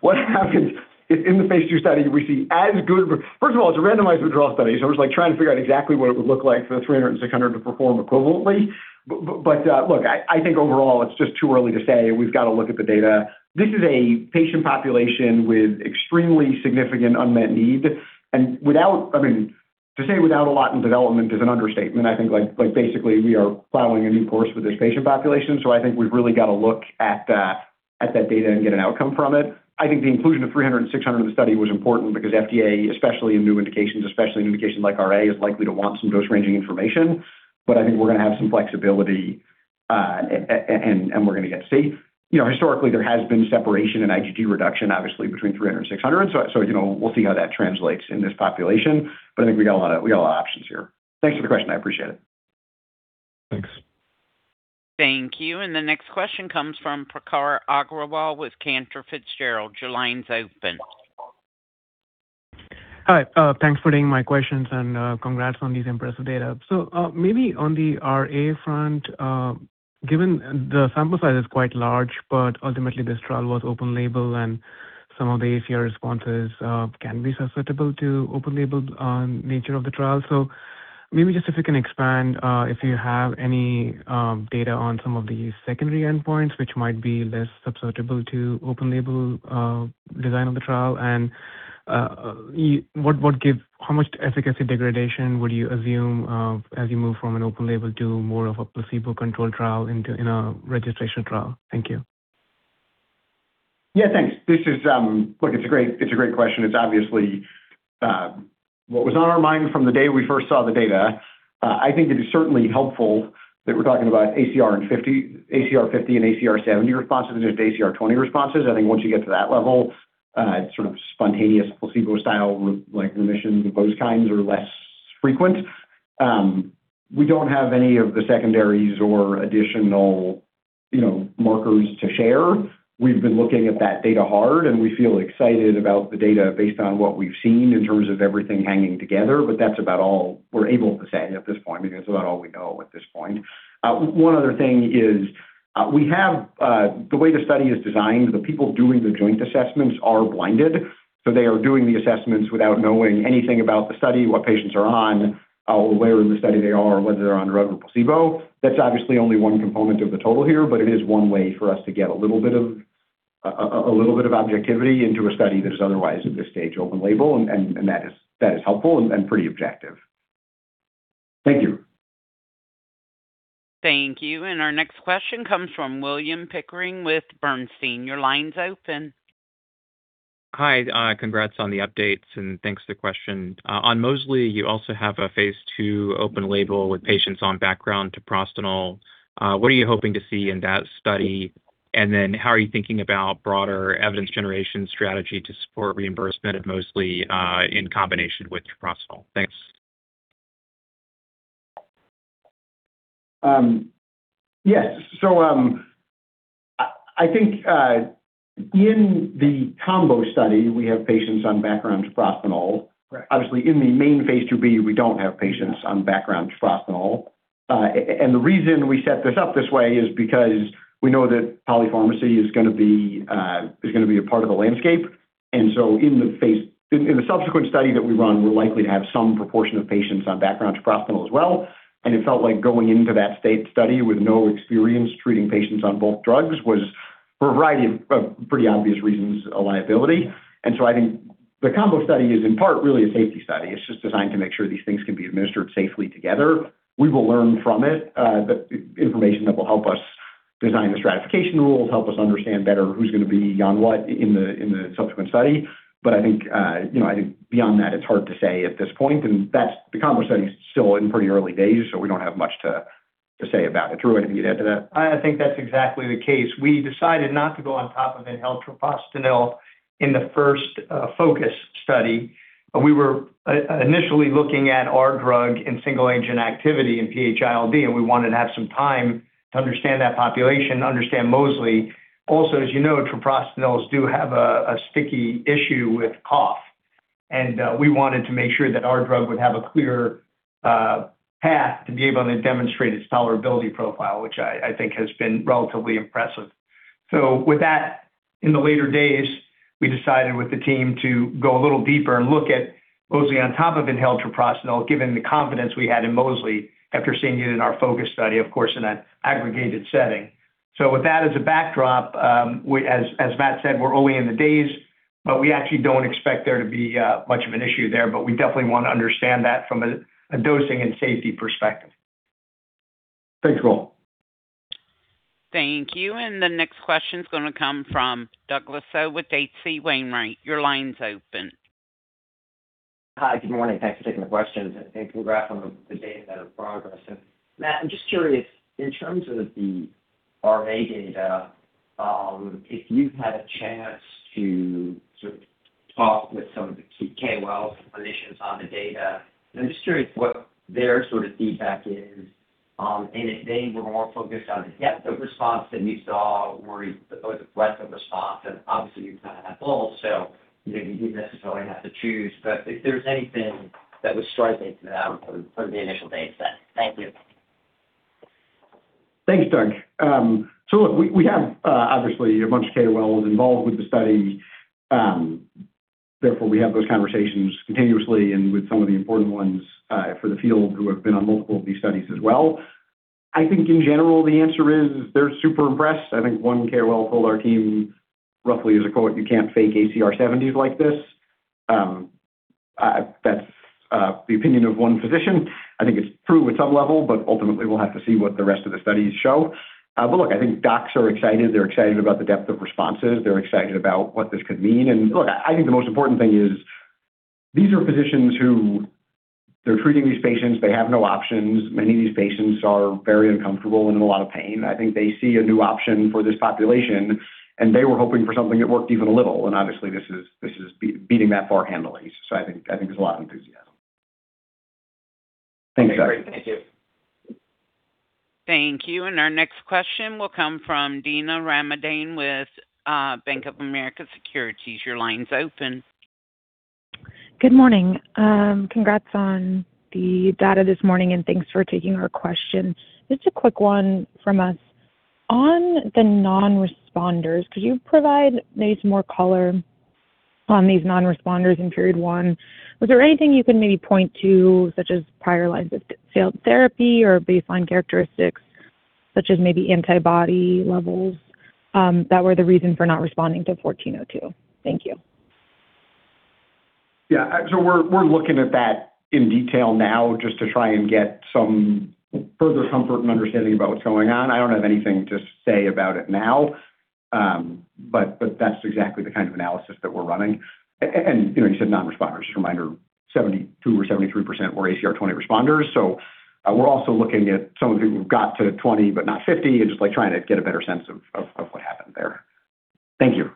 what happens if in the phase II study we see as good. First of all, it's a randomized withdrawal study, so I was trying to figure out exactly what it would look like for the 300 mg and 600 mg to perform equivalently. Look, I think overall it's just too early to say. We've got to look at the data. This is a patient population with extremely significant unmet need, and to say without a lot in development is an understatement. I think basically we are plowing a new course with this patient population, so I think we've really got to look at that data and get an outcome from it. I think the inclusion of 300 mg and 600 mg the study was important because FDA, especially in new indications, especially an indication like RA, is likely to want some dose-ranging information. I think we're going to have some flexibility, and we're going to get to see. Historically, there has been separation in IgG reduction, obviously between 300 mg and 600 mg. We'll see how that translates in this population. I think we got a lot of options here. Thanks for the question. I appreciate it. Thanks. Thank you. The next question comes from Prakhar Agrawal with Cantor Fitzgerald. Your line's open. Hi. Thanks for taking my questions, and congrats on these impressive data. Maybe on the RA front, given the sample size is quite large, but ultimately this trial was open-label and some of the ACR responses can be susceptible to open-label nature of the trial. Maybe just if you can expand if you have any data on some of the secondary endpoints which might be less susceptible to open-label design of the trial, and how much efficacy degradation would you assume as you move from an open label to more of a placebo-controlled trial in a registration trial? Thank you. Yeah, thanks. Look, it's a great question. It's obviously what was on our mind from the day we first saw the data. I think it is certainly helpful that we're talking about ACR50 and ACR70 responses and just ACR20 responses. I think once you get to that level, sort of spontaneous placebo-style remissions of those kinds are less frequent. We don't have any of the secondaries or additional markers to share. We've been looking at that data hard, and we feel excited about the data based on what we've seen in terms of everything hanging together. That's about all we're able to say at this point because that's about all we know at this point. One other thing is the way the study is designed, the people doing the joint assessments are blinded. They are doing the assessments without knowing anything about the study, what patients are on, where in the study they are, or whether they're on drug or placebo. That's obviously only one component of the total here, but it is one way for us to get a little bit of objectivity into a study that is otherwise, at this stage, open label, and that is helpful and pretty objective. Thank you. Thank you. Our next question comes from William Pickering with Bernstein. Your line's open. Hi. Congrats on the updates, thanks for the question. On mosliciguat, you also have a phase II open label with patients on background treprostinil. What are you hoping to see in that study? How are you thinking about broader evidence generation strategy to support reimbursement of mosliciguat in combination with treprostinil? Thanks. Yes. I think in the combo study, we have patients on background treprostinil. Obviously, in the main phase II-B, we don't have patients on background treprostinil. The reason we set this up this way is because we know that polypharmacy is going to be a part of the landscape. In the subsequent study that we run, we're likely to have some proportion of patients on background treprostinil as well, and it felt like going into that state study with no experience treating patients on both drugs was, for a variety of pretty obvious reasons, a liability. I think the combo study is in part really a safety study. It's just designed to make sure these things can be administered safely together. We will learn from it the information that will help us design the stratification rules, help us understand better who's going to be on what in the subsequent study. I think beyond that, it's hard to say at this point, and the combo study's still in pretty early days, so we don't have much to say about it. Drew, anything to add to that? I think that's exactly the case. We decided not to go on top of inhaled treprostinil in the first PHocus study. We were initially looking at our drug in single agent activity in PH-ILD, and we wanted to have some time to understand that population, understand mosliciguat. Also, as you know, treprostinils do have a sticky issue with cough, and we wanted to make sure that our drug would have a clear path to be able to demonstrate its tolerability profile, which I think has been relatively impressive. With that, in the later days, we decided with the team to go a little deeper and look at mosliciguat on top of inhaled treprostinil, given the confidence we had in mosliciguat after seeing it in our PHocus study, of course, in an aggregated setting. With that as a backdrop, as Matt said, we're early in the days, but we actually don't expect there to be much of an issue there. We definitely want to understand that from a dosing and safety perspective. Thanks, Drew. Thank you. The next question is going to come from Douglas Tsao with H.C. Wainwright. Your line's open. Hi. Good morning. Thanks for taking the questions and congrats on the data progress. Matt, I'm just curious, in terms of the RA data, if you've had a chance to sort of talk with some of the KOLs, clinicians on the data. I'm just curious what their sort of feedback is on, and if they were more focused on the depth of response than you saw, or the breadth of response. Obviously you've kind of had both, so you don't necessarily have to choose. If there's anything that was striking to them from the initial data set? Thank you. Thanks, Doug. Look, we have obviously a bunch of KOLs involved with the study. We have those conversations continuously and with some of the important ones for the field who have been on multiple of these studies as well. I think in general, the answer is they're super impressed. I think one KOL told our team roughly as a quote, "You can't fake ACR70s like this." That's the opinion of one physician. I think it's true at some level. Ultimately we'll have to see what the rest of the studies show. Look, I think docs are excited. They're excited about the depth of responses. They're excited about what this could mean. Look, I think the most important thing is these are physicians who, they're treating these patients. They have no options. Many of these patients are very uncomfortable and in a lot of pain. I think they see a new option for this population, and they were hoping for something that worked even a little. Obviously this is beating that bar handily. I think there's a lot of enthusiasm. Thanks, Doug. Great. Thank you. Thank you. Our next question will come from Dina Ramadane with Bank of America Securities. Your line is open. Good morning. Congrats on the data this morning, and thanks for taking our question. Just a quick one from us. On the non-responders, could you provide maybe some more color on these non-responders in Period 1? Was there anything you can maybe point to, such as prior lines of failed therapy or baseline characteristics such as maybe antibody levels, that were the reason for not responding to 1402? Thank you. Yeah. We're looking at that in detail now just to try and get some further comfort and understanding about what's going on. I don't have anything to say about it now. That's exactly the kind of analysis that we're running. You said non-responders. Just a reminder, 72% or 73% were ACR20 responders. We're also looking at some of whom got to ACR20 but not ACR50 and just trying to get a better sense of what happened there. Thank you.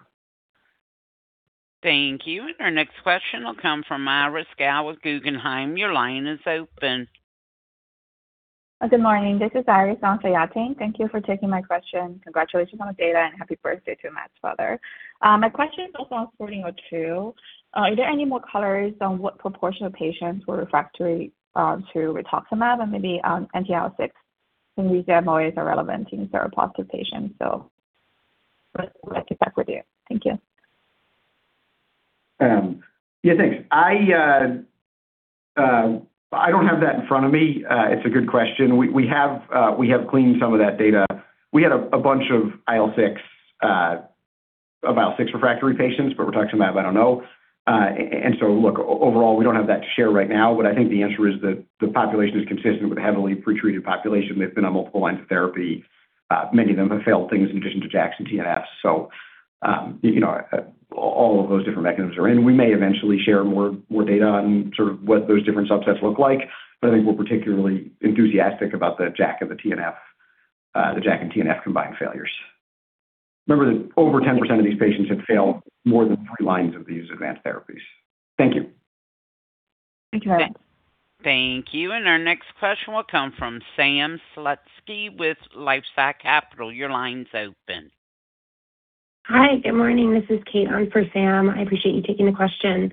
Thank you. Our next question will come from Iris Gao with Guggenheim. Your line is open. Good morning. This is Iris on for Yatin. Thank you for taking my question. Congratulations on the data and happy birthday to Matt's father. My question is also on 1402. Are there any more colors on what proportion of patients were refractory to rituximab and maybe anti-IL-6 in these MOAs are relevant in seropositive patients? Would like your feedback with you. Thank you. Yeah, thanks. I don't have that in front of me. It's a good question. We have cleaned some of that data. We had a bunch of IL-6 refractory patients. Rituximab, I don't know. Look, overall, we don't have that to share right now, but I think the answer is that the population is consistent with a heavily pretreated population. They've been on multiple lines of therapy. Many of them have failed things in addition to JAK and TNF. All of those different mechanisms are in. We may eventually share more data on sort of what those different subsets look like. I think we're particularly enthusiastic about the JAK and TNF combined failures. Remember that over 10% of these patients had failed more than three lines of these advanced therapies. Thank you. Thanks, Matt. Thank you. Our next question will come from Sam Slutsky with LifeSci Capital. Your line's open. Hi. Good morning. This is Kate on for Sam. I appreciate you taking the question.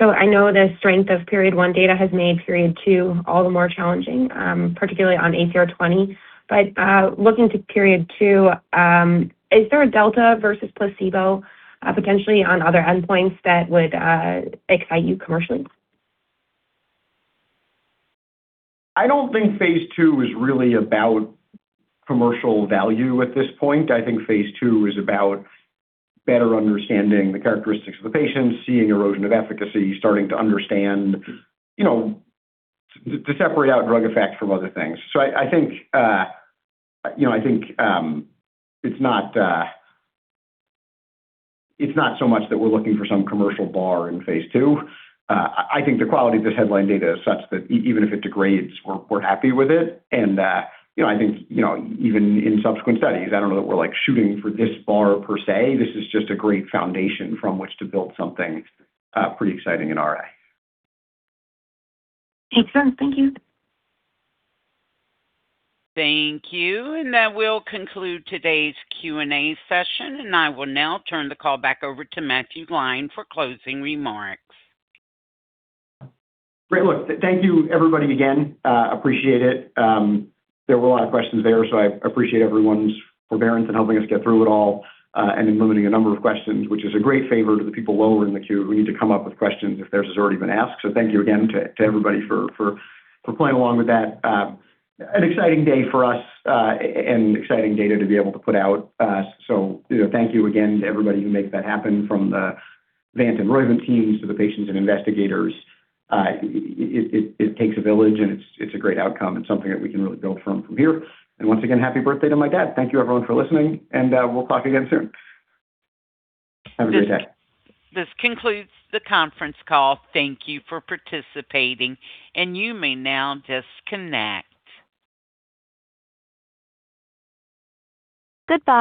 I know the strength of Period 1 data has made Period 2 all the more challenging, particularly on ACR20. Looking to Period 2, is there a delta versus placebo potentially on other endpoints that would excite you commercially? I don't think phase II is really about commercial value at this point. I think phase II is about better understanding the characteristics of the patients, seeing erosion of efficacy, starting to understand, to separate out drug effects from other things. I think it's not so much that we're looking for some commercial bar in phase II. I think the quality of this headline data is such that even if it degrades, we're happy with it. I think even in subsequent studies, I don't know that we're shooting for this bar per se. This is just a great foundation from which to build something pretty exciting in RA. Makes sense. Thank you. Thank you. That will conclude today's Q&A session. I will now turn the call back over to Matthew Gline for closing remarks. Great. Look, thank you everybody again. Appreciate it. There were a lot of questions there, I appreciate everyone's forbearance in helping us get through it all and in limiting the number of questions, which is a great favor to the people lower in the queue who need to come up with questions if theirs has already been asked. Thank you again to everybody for playing along with that. An exciting day for us and exciting data to be able to put out. Thank you again to everybody who made that happen, from the Vant and Roivant teams to the patients and investigators. It takes a village, and it's a great outcome and something that we can really build from here. Once again, happy birthday to my dad. Thank you everyone for listening, and we'll talk again soon. Have a great day. This concludes the conference call. Thank you for participating, and you may now disconnect.